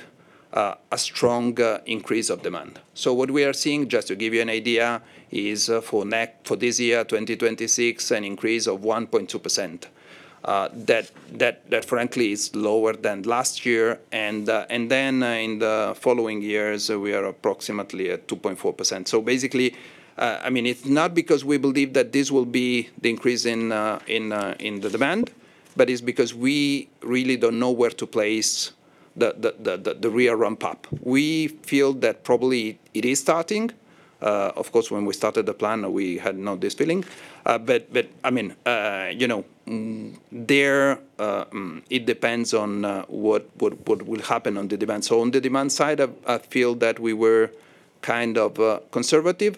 S3: a strong increase of demand. What we are seeing, just to give you an idea, is for this year, 2026, an increase of 1.2%. That frankly, is lower than last year. Then, in the following years, we are approximately at 2.4%. Basically, I mean, it's not because we believe that this will be the increase in the demand, but it's because we really don't know where to place the real ramp-up. We feel that probably it is starting. Of course, when we started the plan, we had not this feeling. I mean, you know, there, it depends on what will happen on the demand. On the demand side, I feel that we were kind of conservative.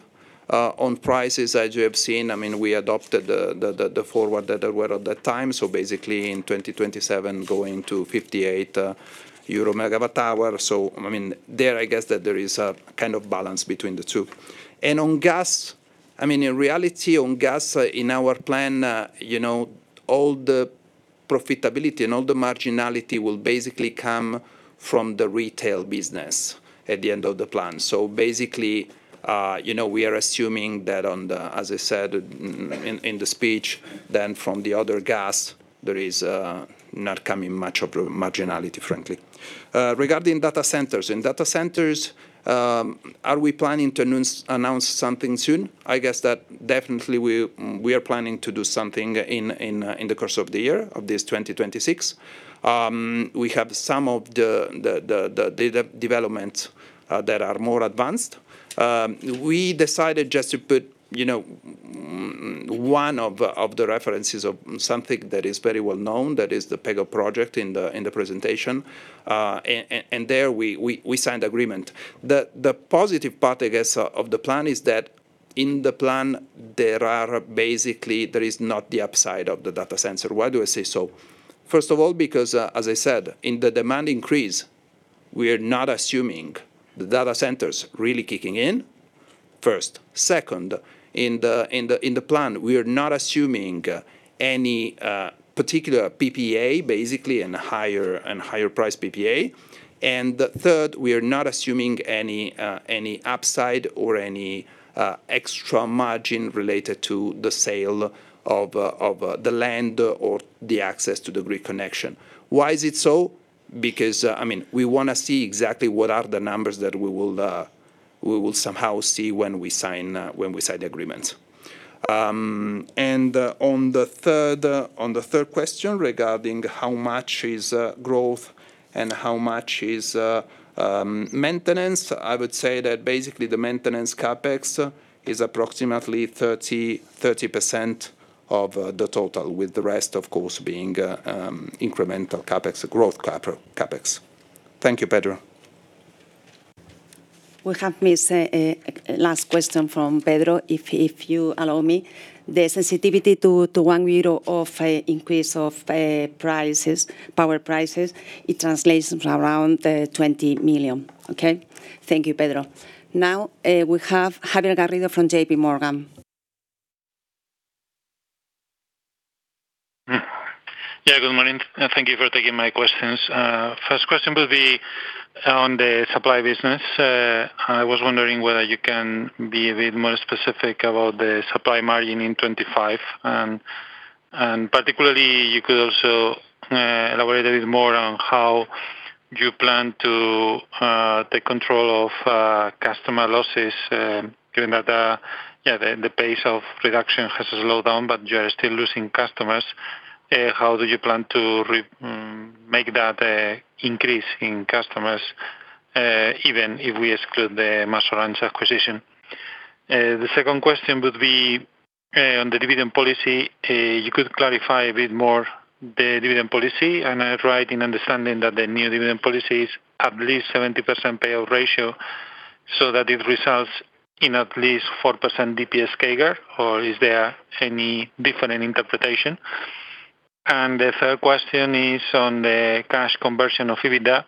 S3: On prices, as you have seen, I mean, we adopted the forward that there were at that time, basically in 2027, going to 58 Euro megawatt hour. I mean, there, I guess that there is a kind of balance between the two. On gas, I mean, in reality, on gas, in our plan, you know, all the profitability and all the marginality will basically come from the retail business at the end of the plan. Basically, you know, we are assuming that on the, as I said, in the speech, then from the other gas, there is not coming much of a marginality, frankly. Regarding data centers, in data centers, are we planning to announce something soon? I guess that definitely we are planning to do something in the course of the year, of this 2026. We have some of the developments that are more advanced. We decided just to put, you know, one of the references of something that is very well-known, that is the Pego project in the presentation. There, we signed agreement. The positive part, I guess, of the plan is that in the plan, there are basically, there is not the upside of the data center. Why do I say so? First of all, because, as I said, in the demand increase, we are not assuming the data centers really kicking in, first. Second, in the plan, we are not assuming any particular PPA, basically, and higher price PPA. Third, we are not assuming any upside or any extra margin related to the sale of the land or the access to the grid connection. Why is it so? Because, I mean, we wanna see exactly what are the numbers that we will somehow see when we sign the agreements. On the third question, regarding how much is growth and how much is maintenance, I would say that basically the maintenance CapEx is approximately 30% of the total, with the rest, of course, being incremental CapEx, growth CapEx. Thank you, Pedro.
S1: We have missed a last question from Pedro, if you allow me. The sensitivity to 1 euro of increase of prices, power prices, it translates to around 20 million. Okay? Thank you, Pedro. Now, we have Javier Garrido from J.P. Morgan.
S6: Yeah, good morning, and thank you for taking my questions. First question will be on the supply business. I was wondering whether you can be a bit more specific about the supply margin in 25. Particularly, you could also elaborate a bit more on how you plan to take control of customer losses, given that, yeah, the pace of reduction has slowed down, but you are still losing customers. How do you plan to make that increase in customers, even if we exclude the Masdar acquisition? The second question would be on the dividend policy. You could clarify a bit more the dividend policy? Am I right in understanding that the new dividend policy is at least 70% payout ratio, so that it results in at least 4% DPS CAGR, or is there any different interpretation? The third question is on the cash conversion of EBITDA.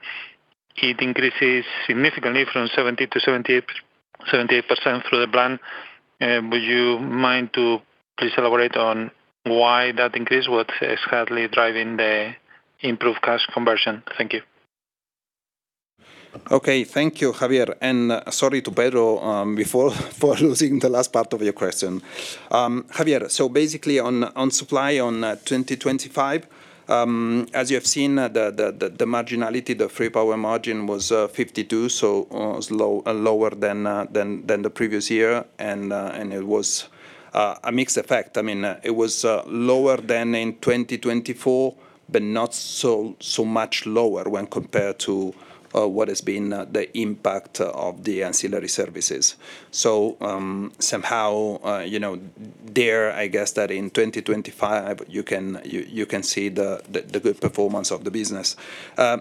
S6: It increases significantly from 70% to 78% through the plan. Would you mind to please elaborate on why that increase? What is hardly driving the improved cash conversion? Thank you.
S3: Okay. Thank you, Javier, and sorry to Pedro before for losing the last part of your question. Javier, basically on supply on 2025, as you have seen, the marginality, the free power margin was 52, it was lower than the previous year. It was a mixed effect. I mean, it was lower than in 2024, but not so much lower when compared to what has been the impact of the ancillary services. Somehow, you know, there, I guess that in 2025, you can see the good performance of the business.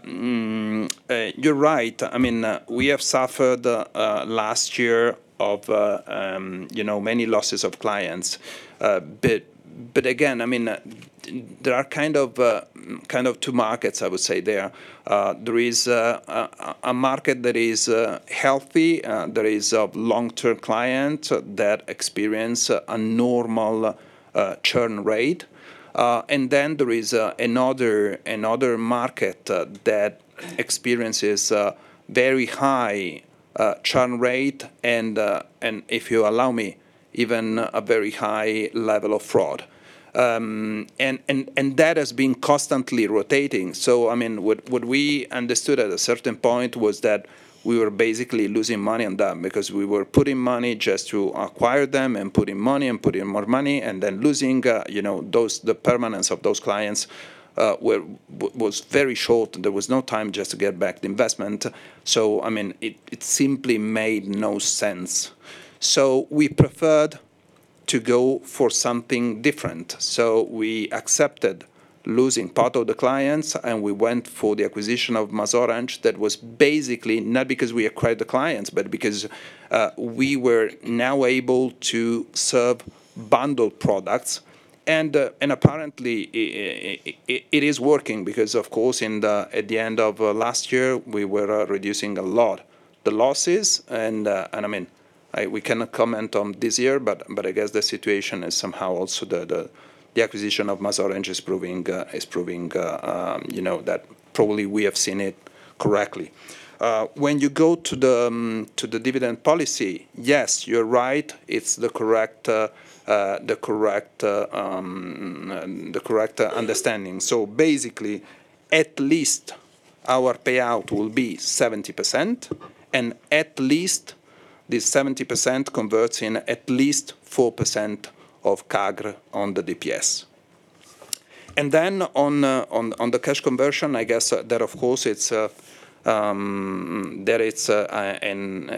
S3: You're right. I mean, we have suffered the last year of, you know, many losses of clients. Again, I mean, there are kind of two markets, I would say there. There is a market that is healthy, that is of long-term client, that experience a normal churn rate. There is another market that experiences very high churn rate, and if you allow me, even a very high level of fraud. That has been constantly rotating. I mean, what we understood at a certain point was that we were basically losing money on them because we were putting money just to acquire them and putting money, and putting more money, and then losing, you know, the permanence of those clients was very short, and there was no time just to get back the investment. I mean, it simply made no sense. We preferred to go for something different. We accepted losing part of the clients, and we went for the acquisition of MasOrange. That was basically not because we acquired the clients, but because we were now able to serve bundled products. Apparently, it is working because, of course, in the, at the end of last year, we were reducing a lot the losses. I mean, I, we cannot comment on this year, but I guess the situation is somehow also the acquisition of MasOrange is proving, you know, that probably we have seen it correctly. When you go to the dividend policy, yes, you're right, it's the correct, the correct understanding. Basically, at least our payout will be 70%, and at least this 70% converts in at least 4% of CAGR on the DPS. Then on the cash conversion, I guess that of course it's there it's an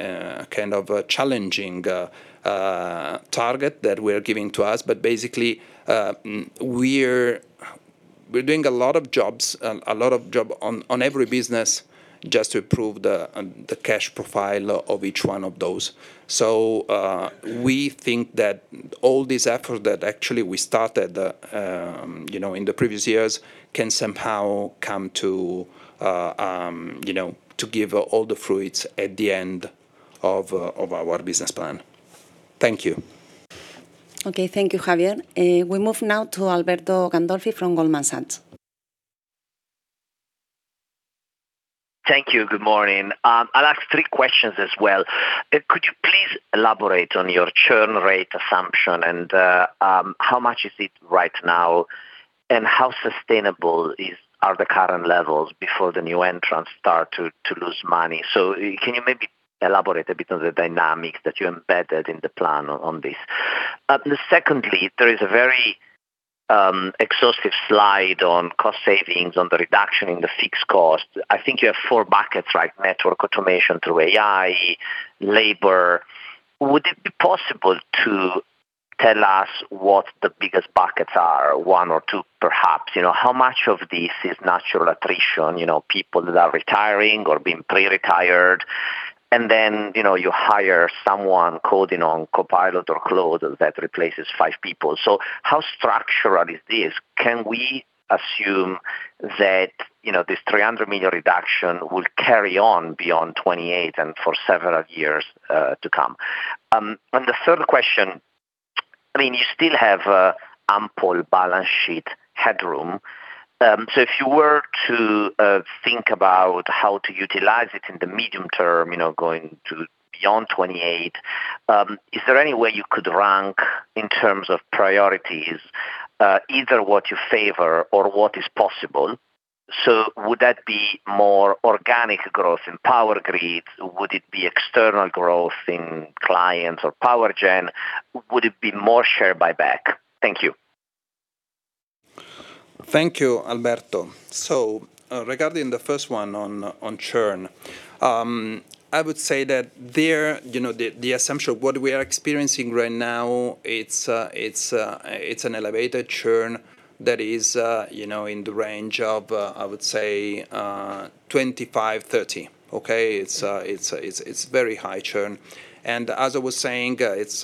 S3: kind of a challenging target that we're giving to us. Basically, we're doing a lot of job on every business just to improve the cash profile of each one of those. We think that all this effort that actually we started, you know, in the previous years can somehow come to, you know, to give all the fruits at the end of our business plan. Thank you.
S1: Okay. Thank you, Alves. We move now to Alberto Gandolfi from Goldman Sachs.
S7: Thank you. Good morning. I'll ask three questions as well. Could you please elaborate on your churn rate assumption, and how much is it right now, and how sustainable are the current levels before the new entrants start to lose money? Can you maybe elaborate a bit on the dynamics that you embedded in the plan on this? Secondly, there is a very exhaustive slide on cost savings, on the reduction in the fixed cost. I think you have four buckets, right? Network automation through AI, labor. Would it be possible to tell us what the biggest buckets are? One or two, perhaps. You know, how much of this is natural attrition, you know, people that are retiring or being pre-retired, and then, you know, you hire someone coding on Copilot or Claude, that replaces five people. How structural is this? Can we assume that, you know, this 300 million reduction will carry on beyond 2028 and for several years to come? The third question, I mean, you still have ample balance sheet headroom. If you were to think about how to utilize it in the medium term, you know, going to beyond 2028, is there any way you could rank in terms of priorities, either what you favor or what is possible? Would that be more organic growth in power grid? Would it be external growth in clients or power gen? Would it be more share buyback? Thank you.
S3: Thank you, Alberto. Regarding the first one on churn, I would say that the assumption of what we are experiencing right now, it's an elevated churn that is in the range of I would say 25-30. Okay? It's very high churn, and as I was saying, it's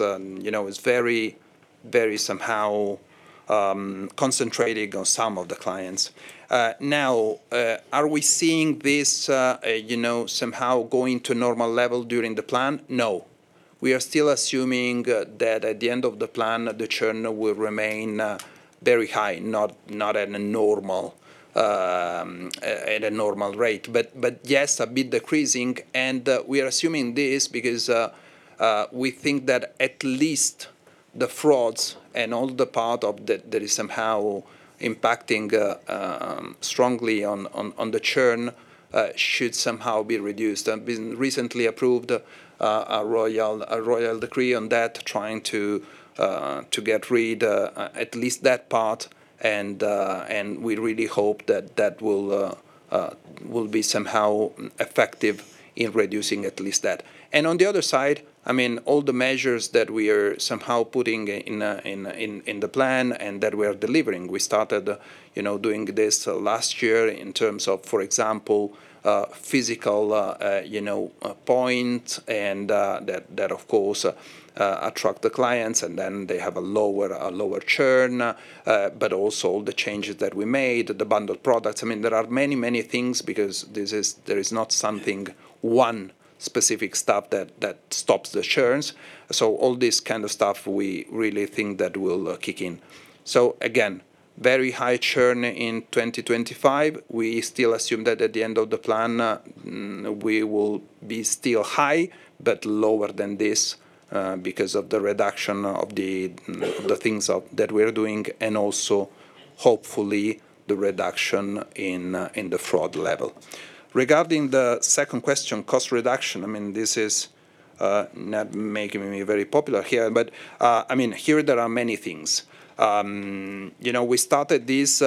S3: very somehow concentrated on some of the clients. Now, are we seeing this somehow going to normal level during the plan? No. We are still assuming that at the end of the plan, the churn will remain very high, not at a normal rate. Yes, a bit decreasing, and we are assuming this because we think that at least the frauds and all the part of that is somehow impacting strongly on the churn should somehow be reduced. We recently approved a royal decree on that, trying to get rid at least that part, and we really hope that that will be somehow effective in reducing at least that. On the other side, I mean, all the measures that we are somehow putting in the plan and that we are delivering, we started, you know, doing this last year in terms of, for example, physical, you know, point and that, of course, attract the clients, and then they have a lower churn. But also the changes that we made, the bundled products, I mean, there are many things because there is not something, one specific stuff that stops the churns. All this kind of stuff, we really think that will kick in. Again, very high churn in 2025. We still assume that at the end of the plan, we will be still high, but lower than this, because of the reduction of the things that we are doing, and also hopefully the reduction in the fraud level. Regarding the second question, cost reduction, I mean, this is not making me very popular here, but, I mean, here there are many things. You know, we started this.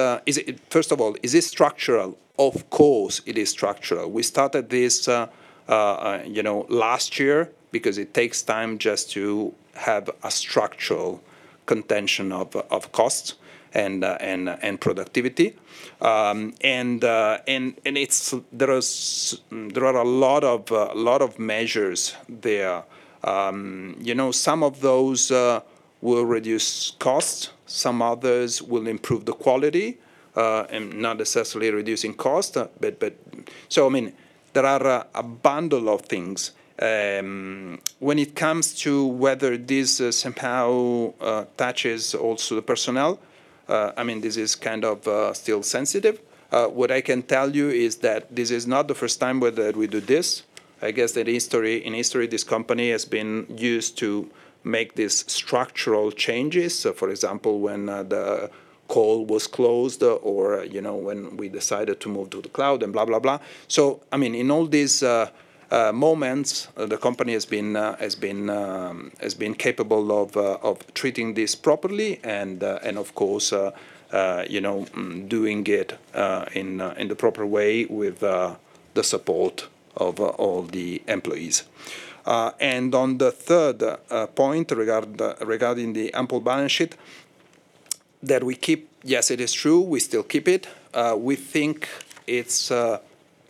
S3: First of all, is this structural? Of course, it is structural. We started this, you know, last year because it takes time just to have a structural contention of costs and productivity. There is, there are a lot of measures there. you know, some of those will reduce costs, some others will improve the quality and not necessarily reducing cost. I mean, there are a bundle of things. When it comes to whether this somehow touches also the personnel, I mean, this is kind of still sensitive. What I can tell you is that this is not the first time where that we do this. I guess that history, in history, this company has been used to make these structural changes. For example, when the coal was closed or, you know, when we decided to move to the cloud and blah, blah. I mean, in all these moments, the company has been capable of treating this properly, and of course, you know, doing it in the proper way with the support of all the employees. On the third point regarding the ample balance sheet that we keep, yes, it is true, we still keep it. We think it's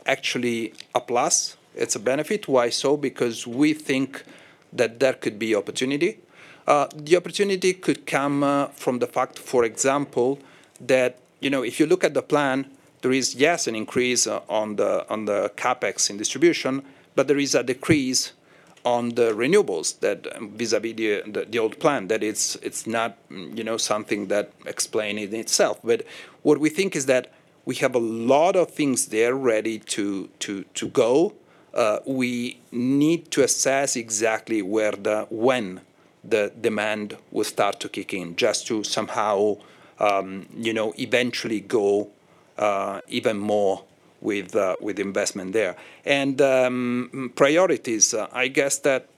S3: actually a plus. It's a benefit. Why so? Because we think that there could be opportunity. The opportunity could come from the fact, for example, that, you know, if you look at the plan, there is, yes, an increase on the CapEx in distribution, but there is a decrease on the renewables that vis-à-vis the old plan, that it's not, you know, something that explain it itself. What we think is that we have a lot of things there ready to go. We need to assess exactly where when the demand will start to kick in, just to somehow, you know, eventually go even more with investment there. Priorities, I guess that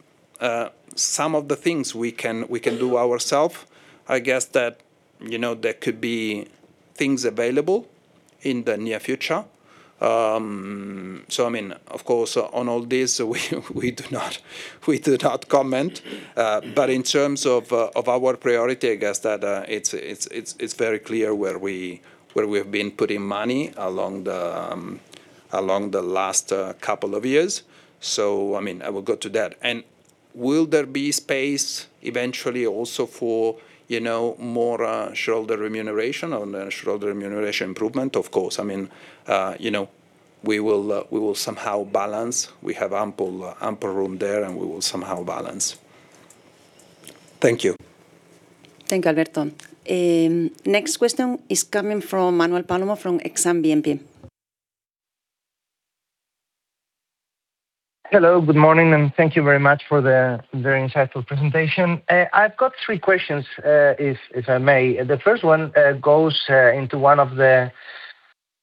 S3: some of the things we can do ourselves, I guess that, you know, there could be things available in the near future. I mean, of course, on all this, we do not comment. But in terms of our priority, I guess that it's very clear where we have been putting money along the last couple of years. I mean, I will go to that. Will there be space eventually also for, you know, more shareholder remuneration or shareholder remuneration improvement? Of course. I mean, you know, we will somehow balance. We have ample room there, and we will somehow balance. Thank you.
S1: Thank you, Alberto. Next question is coming from Manuel Palomo from Exane BNP.
S8: Hello, good morning, and thank you very much for the very insightful presentation. I've got 3 questions, if I may. The first one goes into one of the,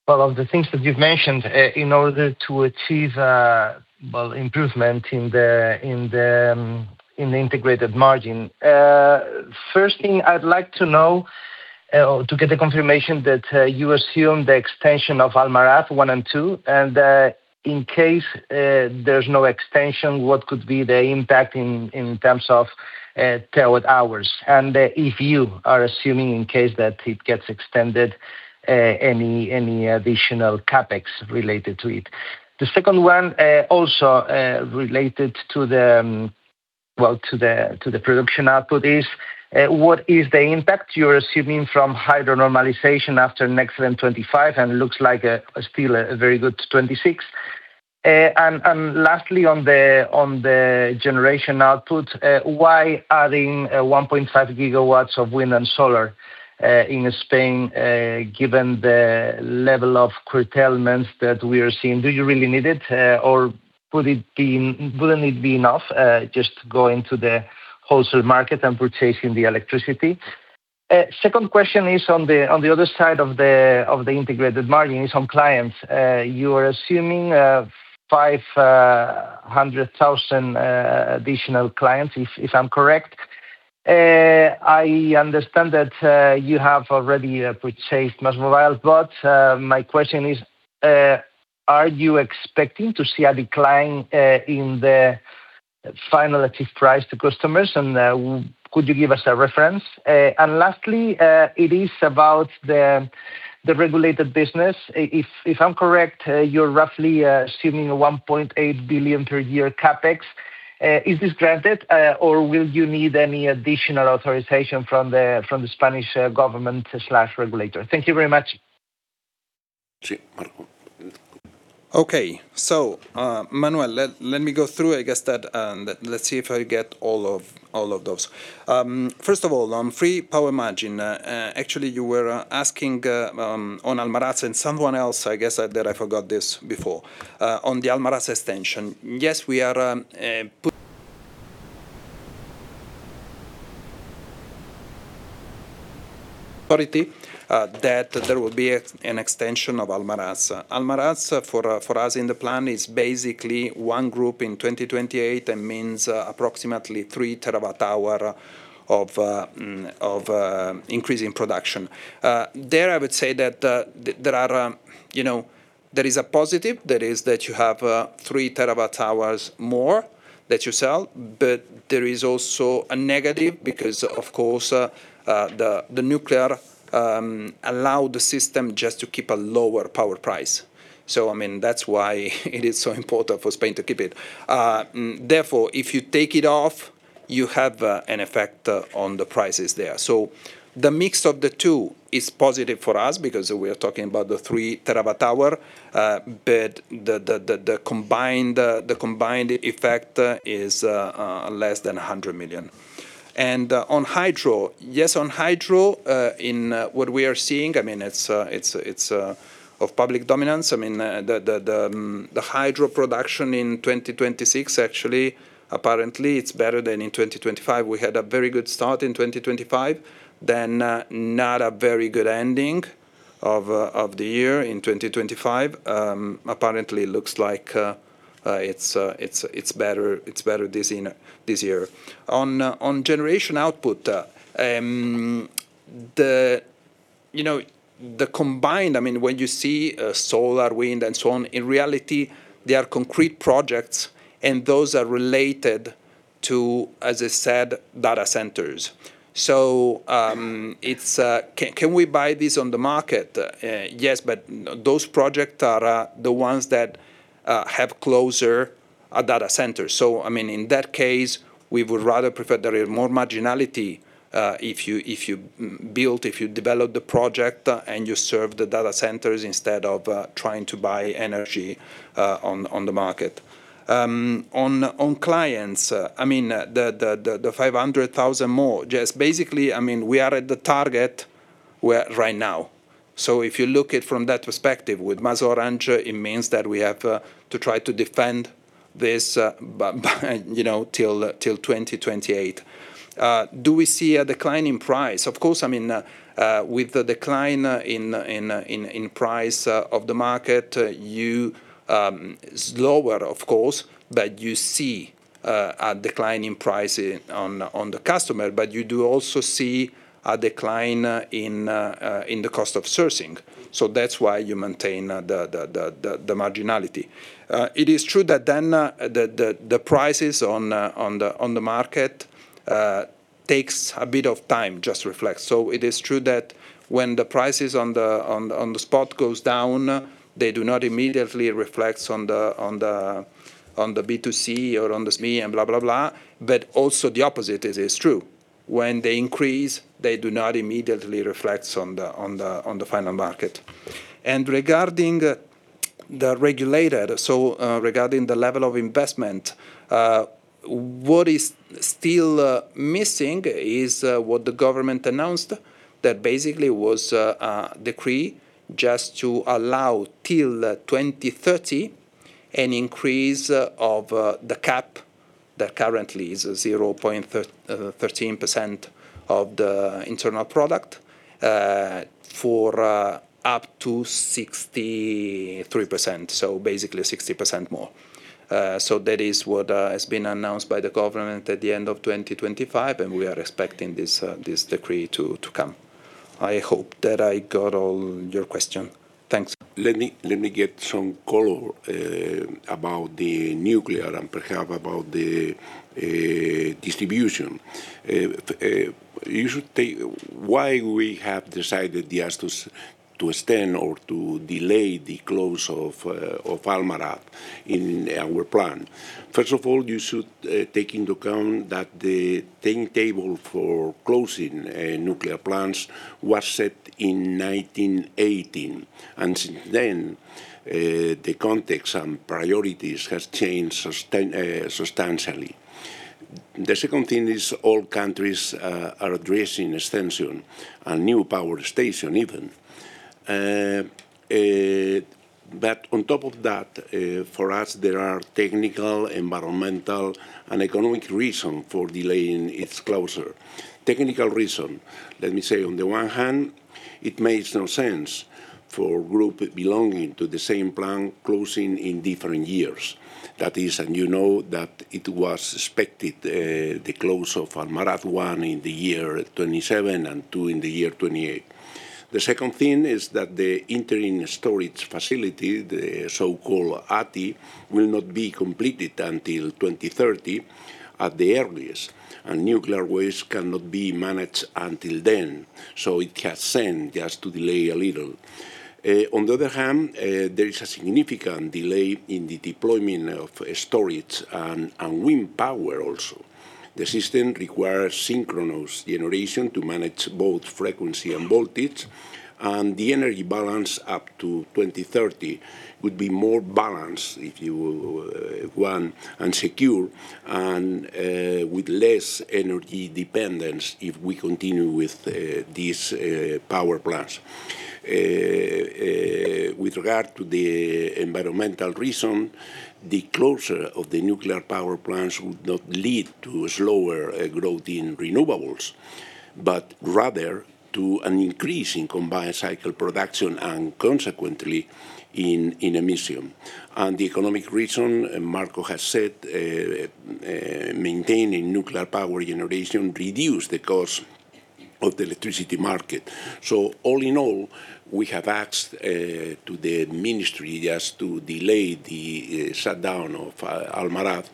S8: well, of the things that you've mentioned, in order to achieve, well, improvement in the integrated margin. First thing I'd like to know, or to get the confirmation that you assume the extension of Almaraz 1 and 2, and in case there's no extension, what could be the impact in terms of kilowatt hours? If you are assuming in case that it gets extended, any additional CapEx related to it. The second one, also, related to the... Well, to the production output, what is the impact you're assuming from hydro normalization after an excellent 2025, and it looks like still a very good 2026? Lastly, on the generation output, why adding 1.5 GW of wind and solar in Spain, given the level of curtailments that we are seeing? Do you really need it, or wouldn't it be enough just going to the wholesale market and purchasing the electricity? Second question is on the other side of the integrated margin, is on clients. You are assuming 500,000 additional clients, if I'm correct. I understand that you have already purchased MásMóvil. My question is, are you expecting to see a decline in the final active price to customers, and could you give us a reference? Lastly, it is about the regulated business. If I'm correct, you're roughly assuming 1.8 billion per year CapEx. Is this granted or will you need any additional authorization from the Spanish government slash regulator? Thank you very much.
S3: Okay. Manuel Palomo, let me go through, I guess. Let's see if I get all of those. First of all, on free power margin, actually, you were asking on Almaraz and someone else, I guess, that I forgot this before. On the Almaraz extension, yes, we are put priority that there will be an extension of Almaraz. Almaraz, for us in the plan, is basically one group in 2028. That means approximately 3 terawatt-hour of increase in production. There, I would say that, you know, there is a positive, that is that you have 3 terawatt-hours more that you sell. There is also a negative because, of course, the nuclear allow the system just to keep a lower power price. I mean, that's why it is so important for Spain to keep it. Therefore, if you take it off, you have an effect on the prices there. The mix of the two is positive for us because we are talking about the 3 terawatt-hour, the combined effect is less than 100 million. On hydro: Yes, on hydro, in what we are seeing, I mean, it's of public dominance. I mean, the hydro production in 2026, actually, apparently, it's better than in 2025. We had a very good start in 2025, then, not a very good ending of the year in 2025. Apparently, it looks like it's better this year. On generation output, you know, the combined, I mean, when you see solar, wind, and so on, in reality, they are concrete projects, and those are related to, as I said, data centers. Can we buy this on the market? Yes, but those project are the ones that have closer data centers. I mean, in that case, we would rather prefer there is more marginality, if you build, if you develop the project, and you serve the data centers instead of trying to buy energy on the market. On clients, I mean, the 500,000 more, just basically, I mean, we are at the target where right now. If you look at from that perspective, with MasOrange, it means that we have to try to defend this by, you know, till 2028. Do we see a decline in price? Of course, I mean, with the decline in price of the market, you, slower, of course, but you see a decline in price on the customer, but you do also see a decline in the cost of sourcing. That's why you maintain the marginality. It is true that then, the prices on the market, takes a bit of time just to reflect. It is true that when the prices on the spot goes down, they do not immediately reflects on the B2C or on the SME, and blah, blah. Also the opposite is true. When they increase, they do not immediately reflects on the, on the, on the final market. Regarding the regulated, regarding the level of investment, what is still missing is what the government announced. Basically was a decree just to allow till 2030, an increase of the cap that currently is 0.13% of the internal product, for up to 63%, so basically 60% more. So that is what has been announced by the government at the end of 2025, We are expecting this decree to come. I hope that I got all your question.
S2: Thanks. Let me get some color about the nuclear and perhaps about the distribution. You should take why we have decided, yes, to extend or to delay the close of Almaraz in our plan. First of all, you should take into account that the timetable for closing nuclear plants was set in 1918. Since then, the context and priorities has changed substantially. The second thing is all countries are addressing extension and new power station even. On top of that, for us, there are technical, environmental, and economic reason for delaying its closure. Technical reason, let me say, on the one hand, it makes no sense for group belonging to the same plan closing in different years. That is, you know, that it was expected, the close of Almaraz 1 in the year 2027 and 2 in the year 2028. The second thing is that the interim storage facility, the so-called ATI, will not be completed until 2030 at the earliest, and nuclear waste cannot be managed until then, so it has sent just to delay a little. On the other hand, there is a significant delay in the deployment of storage and wind power also. The system requires synchronous generation to manage both frequency and voltage, and the energy balance up to 2030 would be more balanced, if you will, one, and secure, and with less energy dependence if we continue with these power plants. With regard to the environmental reason, the closure of the nuclear power plants would not lead to a slower growth in renewables, but rather to an increase in combined cycle production and consequently, in emission. The economic reason, Marco has said, maintaining nuclear power generation reduce the cost of the electricity market. All in all, we have asked to the ministry just to delay the shutdown of Almaraz,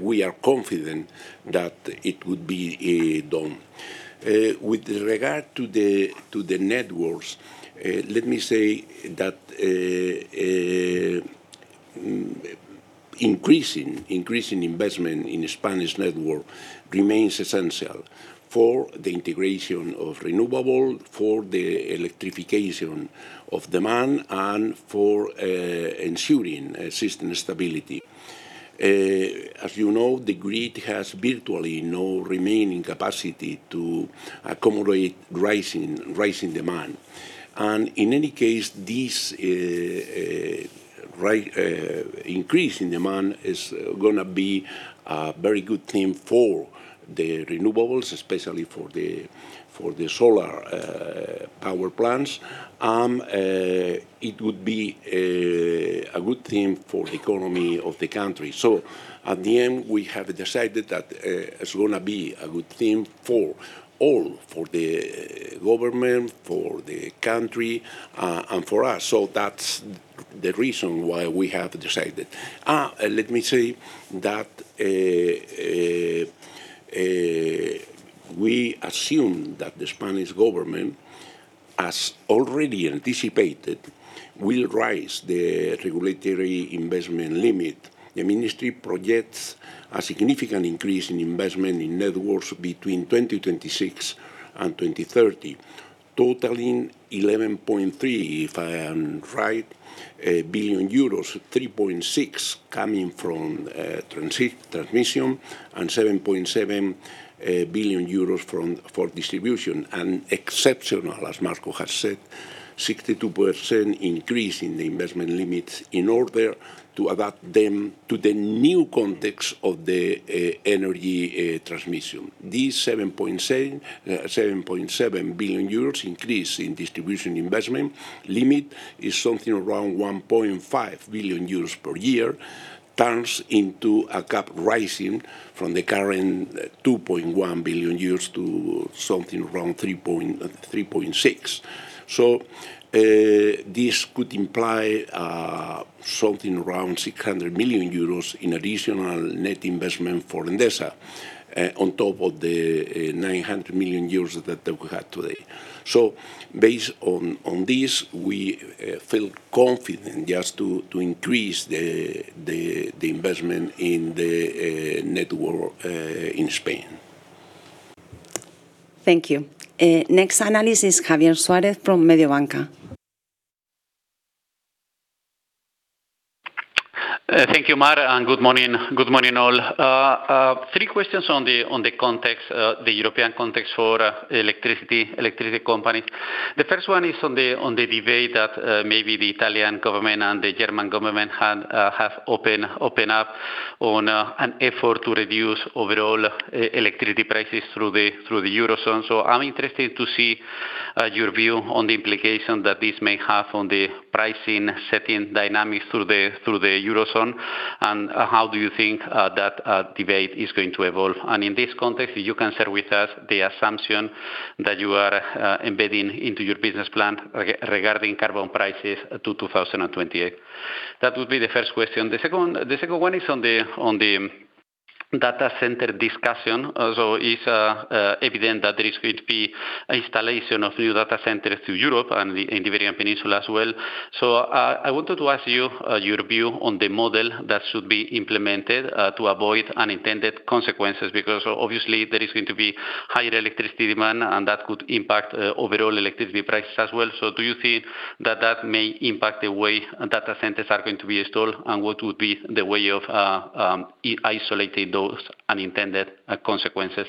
S2: we are confident that it would be done. With regard to the networks, let me say that increasing investment in the Spanish network remains essential for the integration of renewable, for the electrification of demand, and for ensuring system stability. As you know, the grid has virtually no remaining capacity to accommodate rising demand, in any case, this increase in demand is gonna be a very good thing for the renewables, especially for the solar power plants. It would be a good thing for the economy of the country. At the end, we have decided that it's gonna be a good thing for all, for the government, for the country, and for us. That's the reason why we have decided. Let me say that we assume that the Spanish Government, as already anticipated, will raise the regulatory investment limit. The ministry projects a significant increase in investment in networks between 2026 and 2030, totaling 11.3 billion, if I am right, 3.6 billion coming from transmission, and 7.7 billion euros for distribution. Exceptional, as Marco has said, 62% increase in the investment limits in order to adapt them to the new context of the energy transmission. This 7.7 billion euros increase in distribution investment limit is something around 1.5 billion euros per year, turns into a cap rising from the current 2.1 billion to something around 3.6 billion. This could imply something around 600 million euros in additional net investment for Endesa, on top of the 900 million euros that we have today. Based on this, we feel confident just to increase the investment in the network in Spain.
S1: Thank you. Next analyst is Javier Suárez from Mediobanca.
S9: Thank you, Mar, and good morning. Good morning, all. Three questions on the context, the European context for electricity companies. The first one is on the debate that maybe the Italian government and the German government have opened up on an effort to reduce overall electricity prices through the Eurozone. How do you think that debate is going to evolve? In this context, you can share with us the assumption that you are embedding into your business plan regarding carbon prices to 2028. That would be the first question. The second one is on the data center discussion. Also, it's evident that there is going to be installation of new data centers to Europe and the Iberian Peninsula as well. I wanted to ask you your view on the model that should be implemented to avoid unintended consequences, because obviously there is going to be higher electricity demand, and that could impact overall electricity prices as well. Do you think that that may impact the way data centers are going to be installed, and what would be the way of isolating those unintended consequences?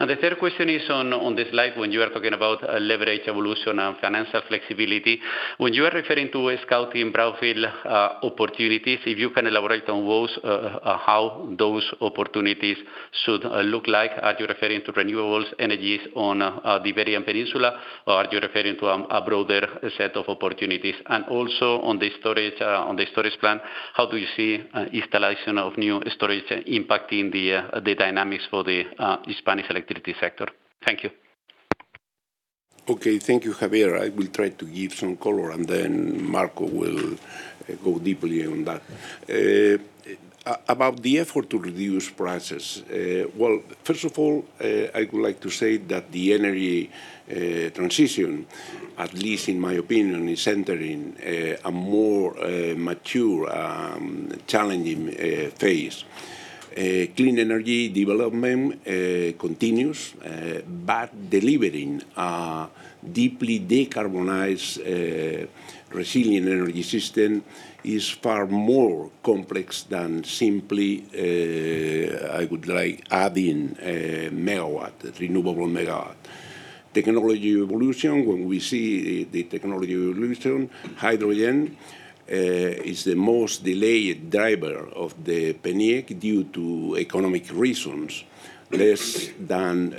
S9: The third question is on this slide, when you are talking about leverage, evolution, and financial flexibility. When you are referring to scouting brownfield opportunities, if you can elaborate on those, how those opportunities should look like? Are you referring to renewable energies on the Iberian Peninsula, or are you referring to a broader set of opportunities? Also on the storage, on the storage plan, how do you see installation of new storage impacting the dynamics for the Spanish electricity sector? Thank you.
S2: Okay. Thank you, Javier. I will try to give some color, and then Marco will go deeply on that. About the effort to reduce prices, well, first of all, I would like to say that the energy transition, at least in my opinion, is entering a more mature, challenging phase. Clean energy development continues, but delivering a deeply decarbonized, resilient energy system is far more complex than simply I would like adding a megawatt, renewable megawatt. Technology evolution, when we see the technology evolution, hydrogen is the most delayed driver of the PNIEC due to economic reasons. Less than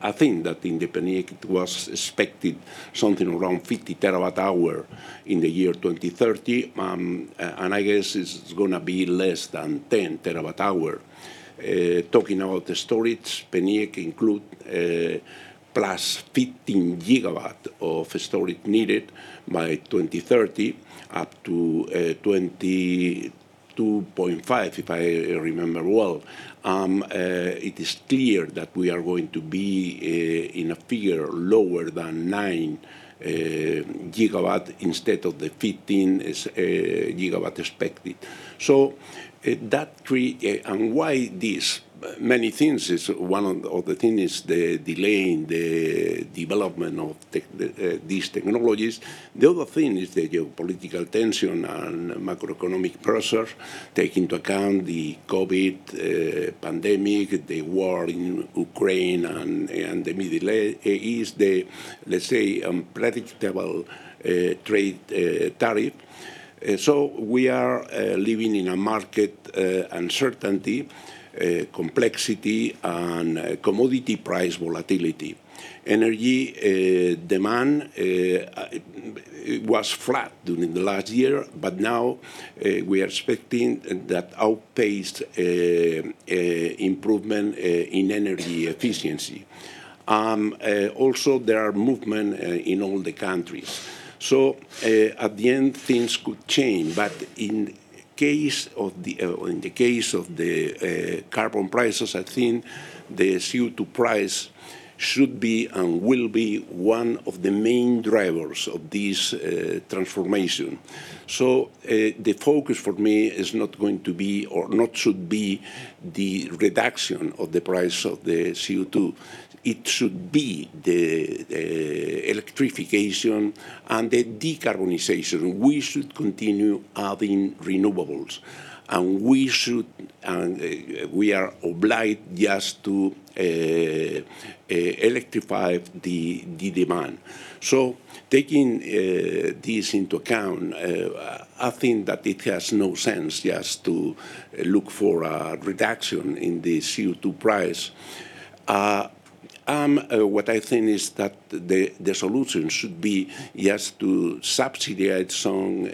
S2: I think that in the PNIEC, it was expected something around 50 terawatt-hour in the year 2030. I guess it's gonna be less than 10 terawatt-hour. Talking about the storage, PNIEC include 15 GW of storage needed by 2030, up to 22.5, if I remember well. It is clear that we are going to be in a figure lower than 9 GW instead of the 15 GW expected. And why this? Many things is one of the thing is the delaying the development of these technologies. The other thing is the geopolitical tension and macroeconomic pressure. Take into account the COVID pandemic, the war in Ukraine and the Middle East, the, let's say, predictable trade tariff. We are living in a market uncertainty, complexity, and commodity price volatility. Energy demand was flat during the last year, but now, we are expecting that outpaced improvement in energy efficiency. There are movement in all the countries. At the end, things could change, but in case of the, in the case of the carbon prices, I think the CO2 price should be and will be one of the main drivers of this transformation. The focus for me is not going to be or not should be the reduction of the price of the CO2. It should be the electrification and the decarbonization. We should continue adding renewables, and we should, and we are obliged just to electrify the demand. Taking this into account, I think that it has no sense, just to look for a reduction in the CO2 price. What I think is that the solution should be, yes, to subsidize some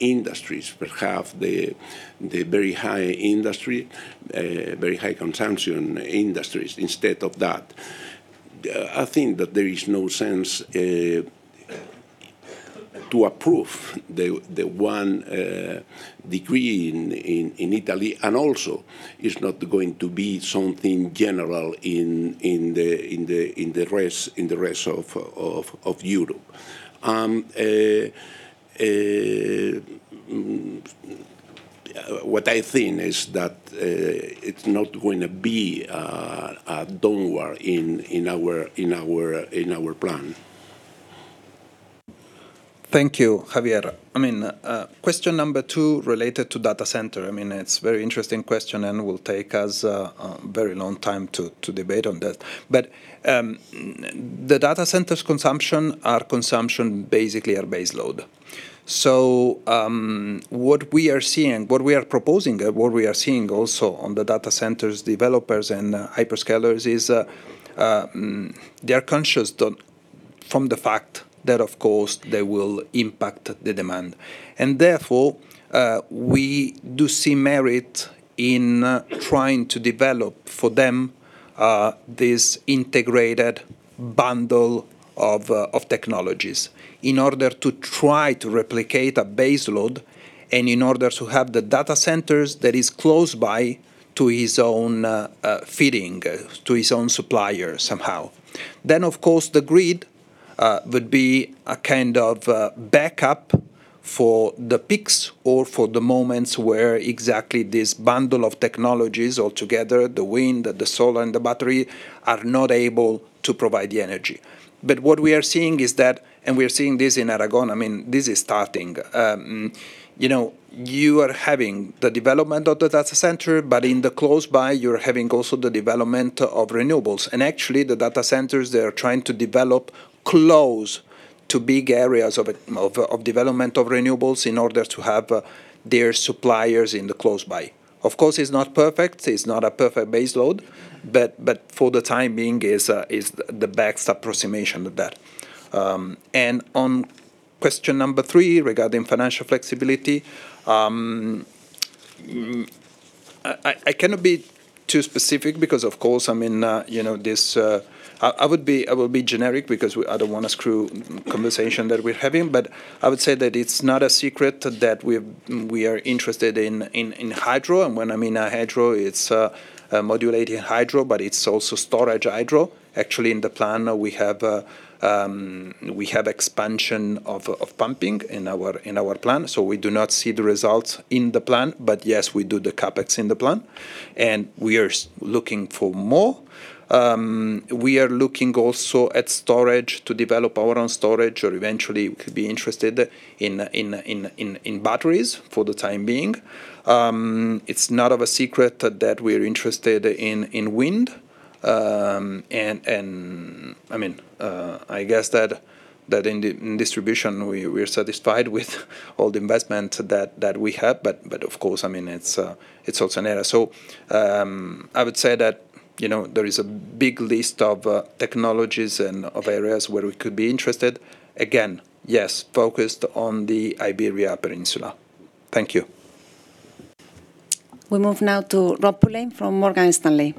S2: industries, perhaps the very high industry, very high consumption industries, instead of that. I think that there is no sense to approve the one degree in Italy, it's not going to be something general in the rest of Europe. What I think is that it's not going to be a downward in our plan.
S3: Thank you, Javier. I mean, question number two related to data center, I mean, it's very interesting question and will take us a very long time to debate on that. The data centers consumption are consumption basically are base load. What we are seeing, what we are proposing, and what we are seeing also on the data centers, developers, and hyperscalers, is, they are conscious that... from the fact that, of course, they will impact the demand. Therefore, we do see merit in trying to develop for them this integrated bundle of technologies in order to try to replicate a base load, and in order to have the data centers that is close by to his own feeding to his own supplier somehow. Of course, the grid would be a kind of backup for the peaks or for the moments where exactly this bundle of technologies altogether, the wind, the solar, and the battery, are not able to provide the energy. What we are seeing is that, and we are seeing this in Aragon, I mean, this is starting. You know, you are having the development of the data center, but in the close by, you're having also the development of renewables. Actually, the data centers, they are trying to develop close to big areas of development of renewables in order to have their suppliers in the close by. Of course, it's not perfect. It's not a perfect base load, but for the time being, it's the best approximation of that. On question number 3, regarding financial flexibility, I cannot be too specific because, of course, I mean, you know, this... I will be generic because I don't wanna screw conversation that we're having. I would say that it's not a secret that we've, we are interested in, in hydro. When, I mean, hydro, it's modulating hydro, but it's also storage hydro. Actually, in the plan, we have expansion of pumping in our plan, so we do not see the results in the plan. Yes, we do the CapEx in the plan, and we are looking for more. We are looking also at storage to develop our own storage or eventually could be interested in batteries for the time being. It's not of a secret that we're interested in wind. I mean, I guess that in the distribution, we're satisfied with all the investment that we have. Of course, I mean, it's also an error. I would say that, you know, there is a big list of technologies and of areas where we could be interested. Again, yes, focused on the Iberia Peninsula. Thank you.
S1: We move now to Robert Pulleyn from Morgan Stanley.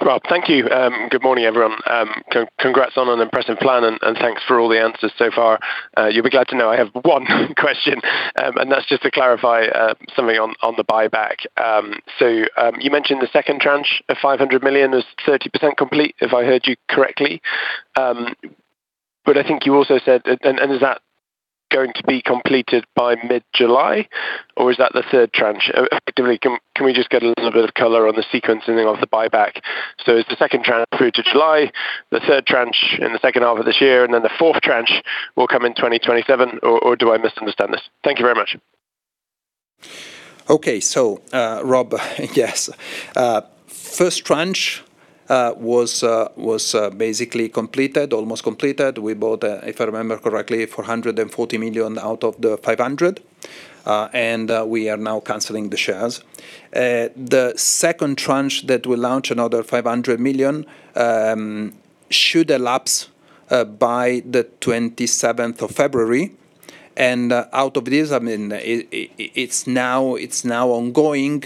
S10: Rob, thank you. Good morning, everyone. Congrats on an impressive plan, and thanks for all the answers so far. You'll be glad to know I have one question, and that's just to clarify something on the buyback. You mentioned the second tranche of 500 million is 30% complete, if I heard you correctly. I think you also said... Is that going to be completed by mid-July, or is that the third tranche? Effectively, can we just get a little bit of color on the sequencing of the buyback? Is the second tranche through to July, the third tranche in the second half of this year, and then the fourth tranche will come in 2027, or do I misunderstand this? Thank you very much.
S3: Okay, Rob, yes. First tranche was basically completed, almost completed. We bought, if I remember correctly, 440 million out of the 500 million, we are now canceling the shares. The second tranche that will launch another 500 million should elapse by the 27th of February. Out of this, I mean, it's now ongoing.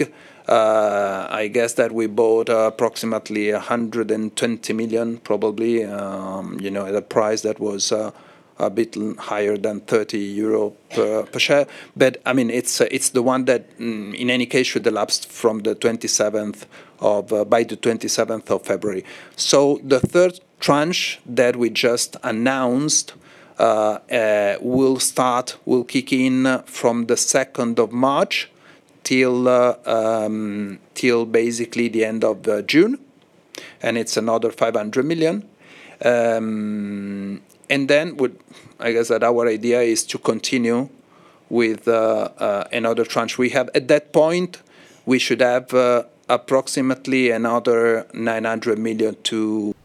S3: I guess that we bought approximately 120 million, probably, you know, at a price that was a bit higher than 30 euro per share. I mean, it's the one that, in any case, should elapse by the 27th of February. The third tranche that we just announced, will kick in from the 2nd of March till basically the end of June, and it's another 500 million. I guess that our idea is to continue with another tranche. At that point, we should have approximately another EUR 900 million to.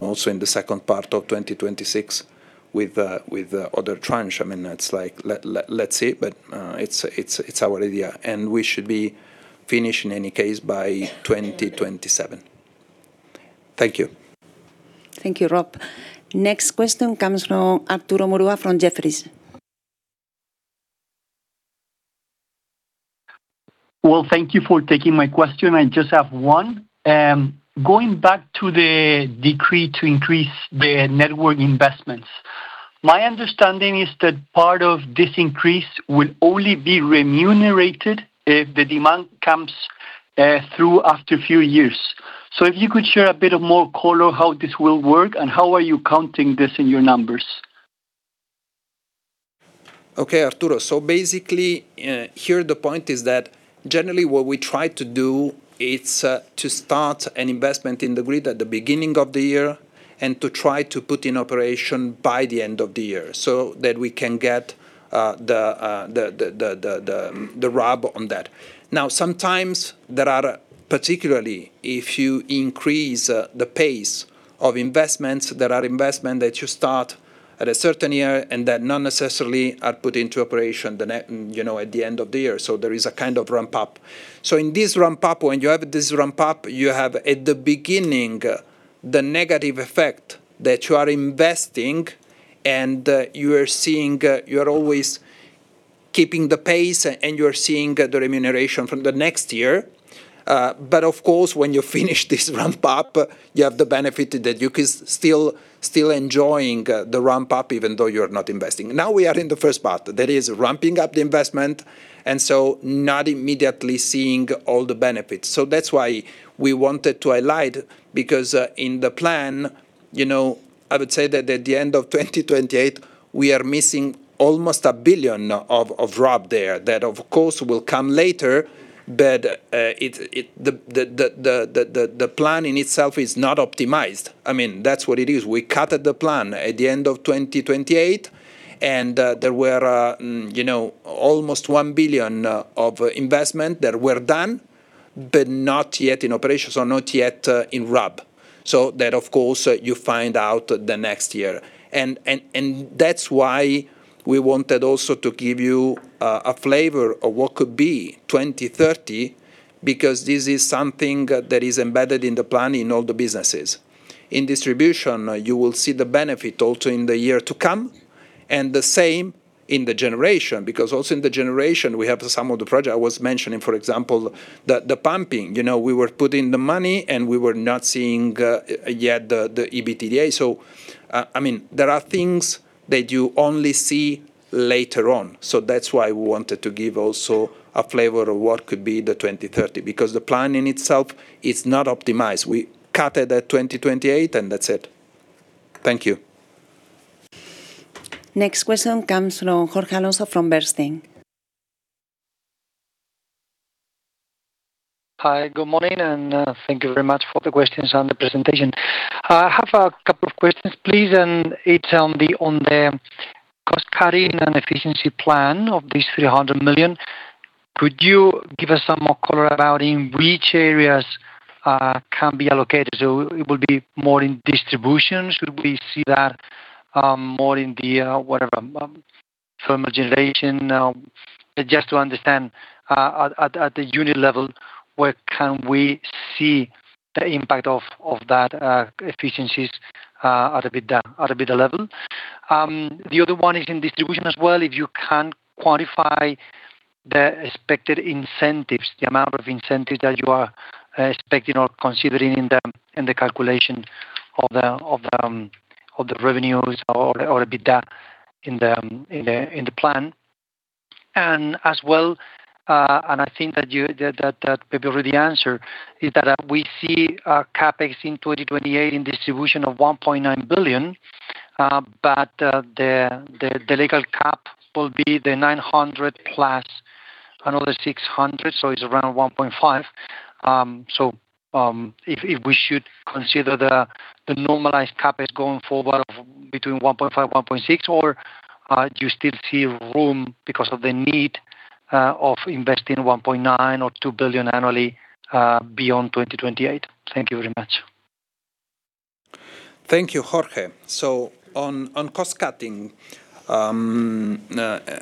S3: Also, in the second part of 2026, with the other tranche, I mean, that's like let's see, but our idea and we should be finished in any case by 2027. Thank you.
S1: Thank you, Rob. Next question comes from Arturo Murua from Jefferies.
S11: Well, thank you for taking my question. I just have one. Going back to the decree to increase the network investments, my understanding is that part of this increase will only be remunerated if the demand comes through after a few years. If you could share a bit of more color how this will work, and how are you counting this in your numbers?
S3: Okay, Arturo. Basically, here, the point is that generally, what we try to do, it's to start an investment in the grid at the beginning of the year and to try to put in operation by the end of the year so that we can get the RAB on that. Now, sometimes there are, particularly if you increase the pace of investments that are investment that you start at a certain year and that not necessarily are put into operation you know, at the end of the year, so there is a kind of ramp up. In this ramp up, when you have this ramp up, you have, at the beginning, the negative effect that you are investing and you are seeing, you are always keeping the pace, and you are seeing the remuneration from the next year. Of course, when you finish this ramp up, you have the benefit that you can still enjoying the ramp up, even though you are not investing. Now, we are in the first part, that is ramping up the investment, not immediately seeing all the benefits. That's why we wanted to highlight, because, in the plan, you know, I would say that at the end of 2028, we are missing almost 1 billion of RAB there. That, of course, will come later, but the plan in itself is not optimized. I mean, that's what it is. We cutted the plan at the end of 2028, and you know, almost 1 billion of investment that were done, but not yet in operations or not yet in RAB. That, of course, you find out the next year. That's why we wanted also to give you a flavor of what could be 2030, because this is something that is embedded in the plan in all the businesses. In distribution, you will see the benefit also in the year to come, and the same in the generation. Also in the generation, we have the some of the project I was mentioning, for example, the pumping. You know, we were putting the money, and we were not seeing yet the EBITDA. I mean, there are things that you only see later on, so that's why we wanted to give also a flavor of what could be the 2030. The plan in itself is not optimized. We cut it at 2028, and that's it. Thank you.
S1: Next question comes from Jorge Alonso from Bernstein.
S12: Hi, good morning, and thank you very much for the questions and the presentation. I have a couple of questions, please, and it's on the cost-cutting and efficiency plan of this 300 million. Could you give us some more color about in which areas can be allocated? It will be more in distribution? Should we see that more in the, whatever, thermal generation? Just to understand at the unit level, where can we see the impact of that efficiencies at EBITDA, at EBITDA level? The other one is in distribution as well, if you can quantify the expected incentives, the amount of incentives that you are expecting or considering in the calculation of the revenues or EBITDA in the plan. As well, I think that maybe already answered, is that we see CapEx in 2028 in distribution of 1.9 billion. The legal cap will be 900 million plus another 600 million, so it's around 1.5 billion. If we should consider the normalized CapEx going forward of between 1.5 billion-1.6 billion, do you still see room because of the need of investing 1.9 billion or 2 billion annually beyond 2028? Thank you very much.
S3: Thank you, Jorge. On cost-cutting,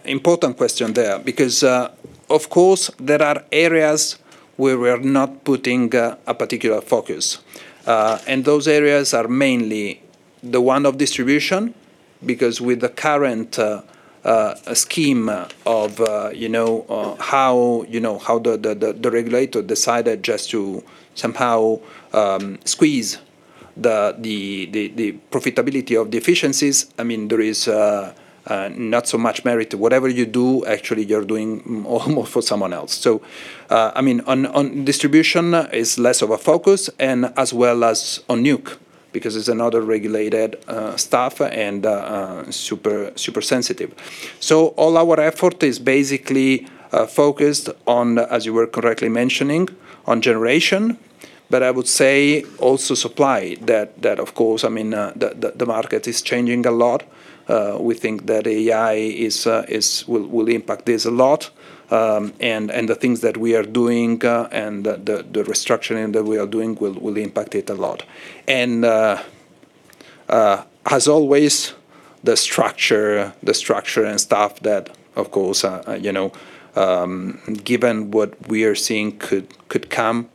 S3: important question there, because of course, there are areas where we are not putting a particular focus. Those areas are mainly the one of distribution, because with the current scheme of, you know, how, you know, how the regulator decided just to somehow squeeze the profitability of the efficiencies, I mean, there is not so much merit. Whatever you do, actually, you're doing almost for someone else. I mean, on distribution is less of a focus and as well as on NUC, because it's another regulated stuff and super sensitive. All our effort is basically focused on, as you were correctly mentioning, on generation, I would say also supply, that of course, I mean, the market is changing a lot. We think that AI will impact this a lot, and the things that we are doing, and the restructuring that we are doing will impact it a lot. As always, the structure and stuff that of course, you know, given what we are seeing could come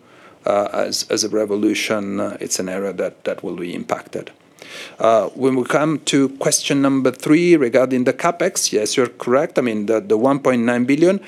S3: as a revolution, it's an area that will be impacted. When we come to question number three regarding the CapEx, yes, you're correct. I mean, the 1.9 billion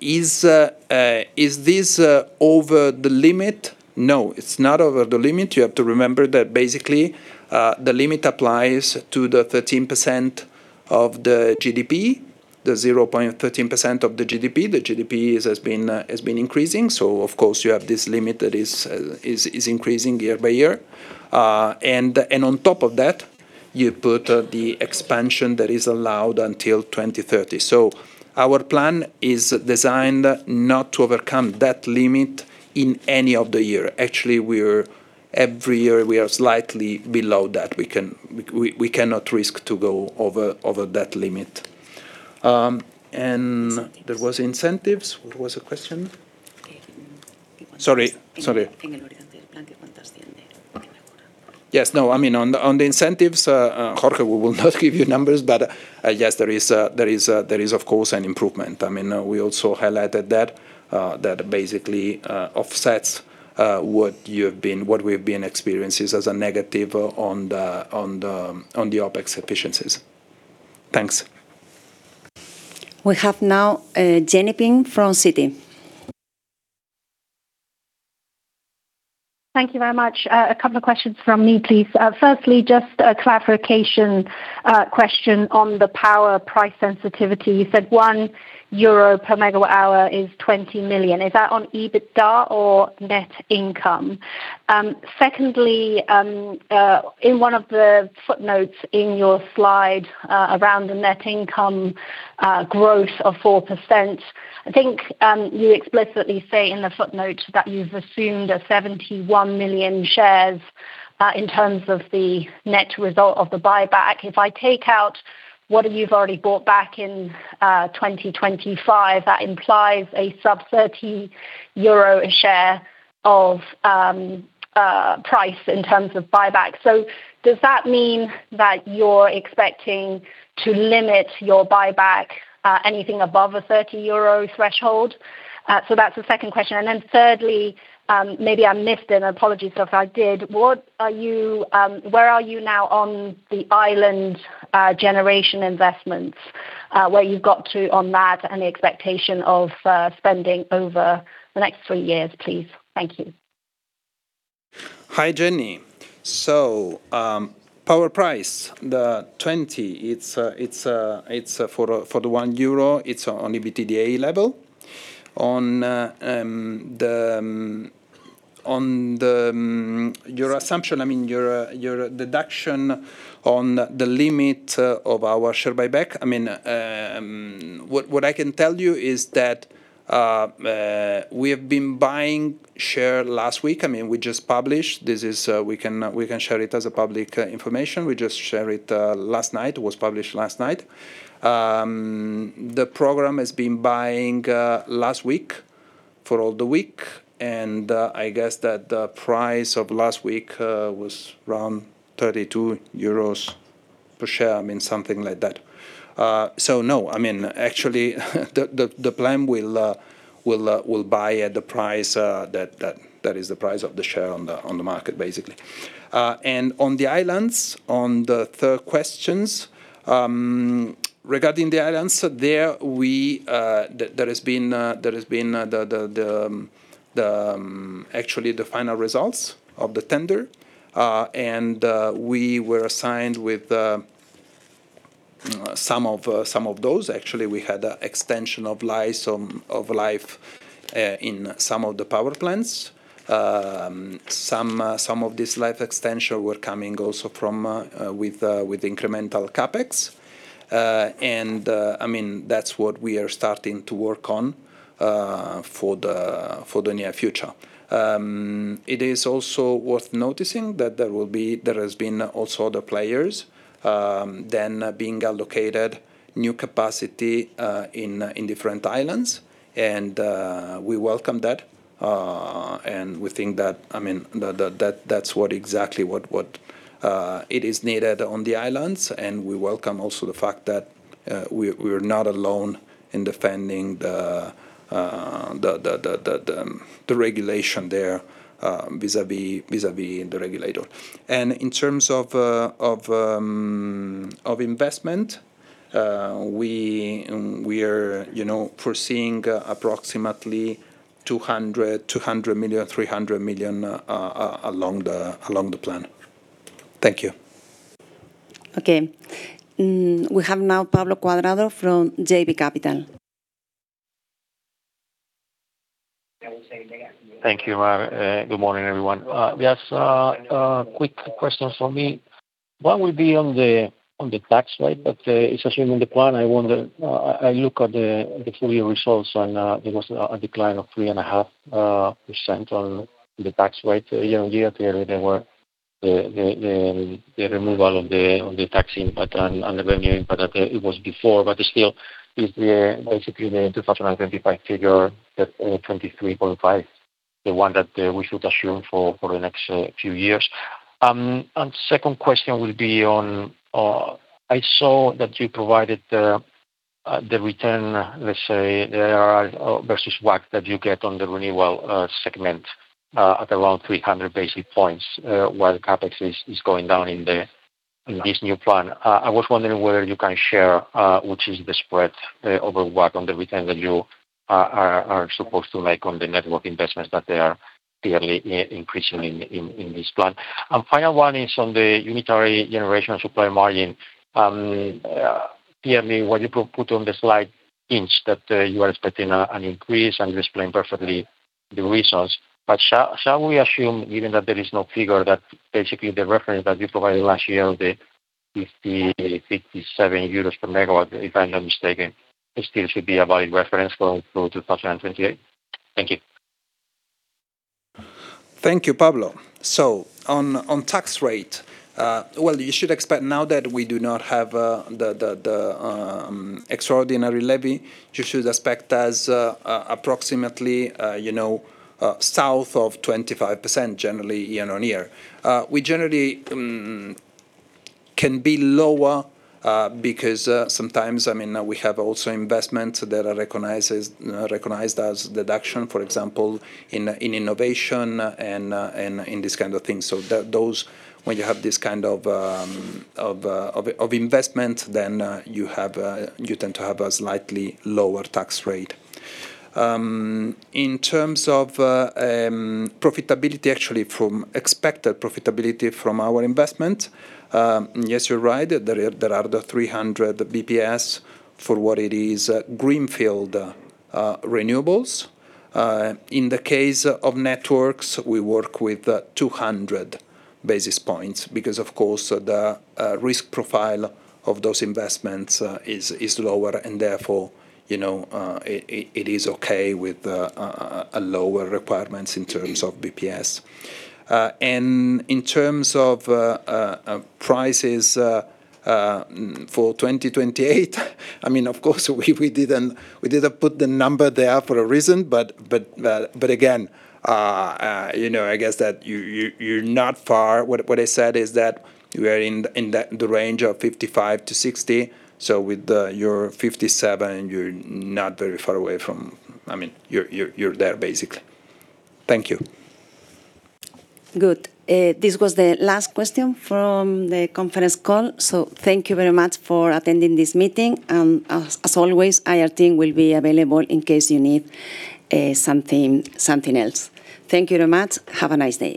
S3: is this over the limit? No, it's not over the limit. You have to remember that basically, the limit applies to the 13% of the GDP, the 0.13% of the GDP. The GDP has been increasing, so of course, you have this limit that is increasing year by year. On top of that, you put the expansion that is allowed until 2030. Our plan is designed not to overcome that limit in any of the year. Actually, every year, we are slightly below that. We cannot risk to go over that limit. There was incentives. What was the question? Sorry. Yes, no, I mean, on the incentives, Jorge, we will not give you numbers, but yes, there is of course, an improvement. I mean, we also highlighted that basically offsets what we've been experiencing as a negative on the OpEx efficiencies. Thanks.
S1: We have now, Jenny Ping from Citi.
S13: Thank you very much. A couple of questions from me, please. Firstly, just a clarification question on the power price sensitivity. You said 1 euro per megawatt hour is 20 million. Is that on EBITDA or net income? Secondly, in one of the footnotes in your slide, around the net income growth of 4%, I think, you explicitly say in the footnote that you've assumed 71 million shares in terms of the net result of the buyback. If I take out what you've already bought back in 2025, that implies a sub 30 euro a share of price in terms of buyback. Does that mean that you're expecting to limit your buyback, anything above a 30 euro threshold? That's the second question. Then thirdly, maybe I missed, and apologies if I did: what are you, where are you now on the island generation investments, where you've got to on that, and the expectation of spending over the next 3 years, please? Thank you.
S3: rice, the 20, it's for the 1 euro, it's on EBITDA level. On your assumption, I mean, your deduction on the limit of our share buyback, I mean, what I can tell you is that we have been buying share last week. I mean, we just published. This is we can share it as a public information. We just share it last night, it was published last night. The program has been buying last week for all the week, and I guess that the price of last week was around 32 euros per share, I mean, something like that. No, I mean, actually, the plan will buy at the price that is the price of the share on the market, basically. On the islands, on the third questions, regarding the islands, there has been the final results of the tender. And we were assigned with some of those. Actually, we had an extension of life in some of the power plants. Some of this life extension were coming also with incremental CapEx. And I mean, that's what we are starting to work on for the near future. It is also worth noticing that there has been also other players, then being allocated new capacity in different islands, we welcome that. We think that that's what exactly it is needed on the islands, we welcome also the fact that we are not alone in defending the regulation there vis-a-vis the regulator. In terms of investment, we are foreseeing approximately 200 million, 300 million along the plan. Thank you.
S1: Okay. We have now Pablo Cuadrado from JB Capital Markets.
S14: Thank you. Good morning, everyone. We have a quick question from me. One will be on the tax rate, but it's assuming the plan, I wonder. I look at the full year results, and there was a decline of 3.5% on the tax rate year-on-year. There were the removal of the on the tax impact and the revenue impact that it was before. Still, is basically the 2025 figure, that 23.5, the one that we should assume for the next few years? Second question will be on, I saw that you provided the return, let's say, R versus WACC, that you get on the renewable segment, at around 300 basis points, while CapEx is going down in this new plan. I was wondering whether you can share which is the spread over WACC on the return that you are supposed to make on the network investments, but they are clearly increasing in this plan. Final one is on the unitary generation supply margin. Clearly, what you put on the slide hints that you are expecting an increase, and you explained perfectly the reasons. Shall we assume, given that there is no figure, that basically the reference that you provided last year, the 57 euros per MW, if I'm not mistaken, it still should be a valid reference going through 2028? Thank you.
S3: Thank you, Pablo. On tax rate, well, you should expect now that we do not have the extraordinary levy, you should expect us approximately, you know, south of 25% generally year-on-year. We generally can be lower because sometimes, I mean, we have also investments that are recognized as deduction, for example, in innovation and in these kind of things. Those, when you have this kind of investment, then you have, you tend to have a slightly lower tax rate. In terms of profitability, actually from expected profitability from our investment, yes, you're right, there are the 300 BPS for what it is, greenfield renewables. In the case of networks, we work with 200 basis points because, of course, the risk profile of those investments is lower, and therefore, you know, it is okay with a lower requirements in terms of BPS. In terms of prices for 2028, I mean, of course, we didn't put the number there for a reason, but again, you know, I guess that you're not far. What I said is that we are in the range of 55-60, so with the. You're 57, you're not very far away from. I mean, you're there, basically. Thank you.
S1: Good. This was the last question from the conference call. Thank you very much for attending this meeting. As always, our team will be available in case you need something else. Thank you very much. Have a nice day.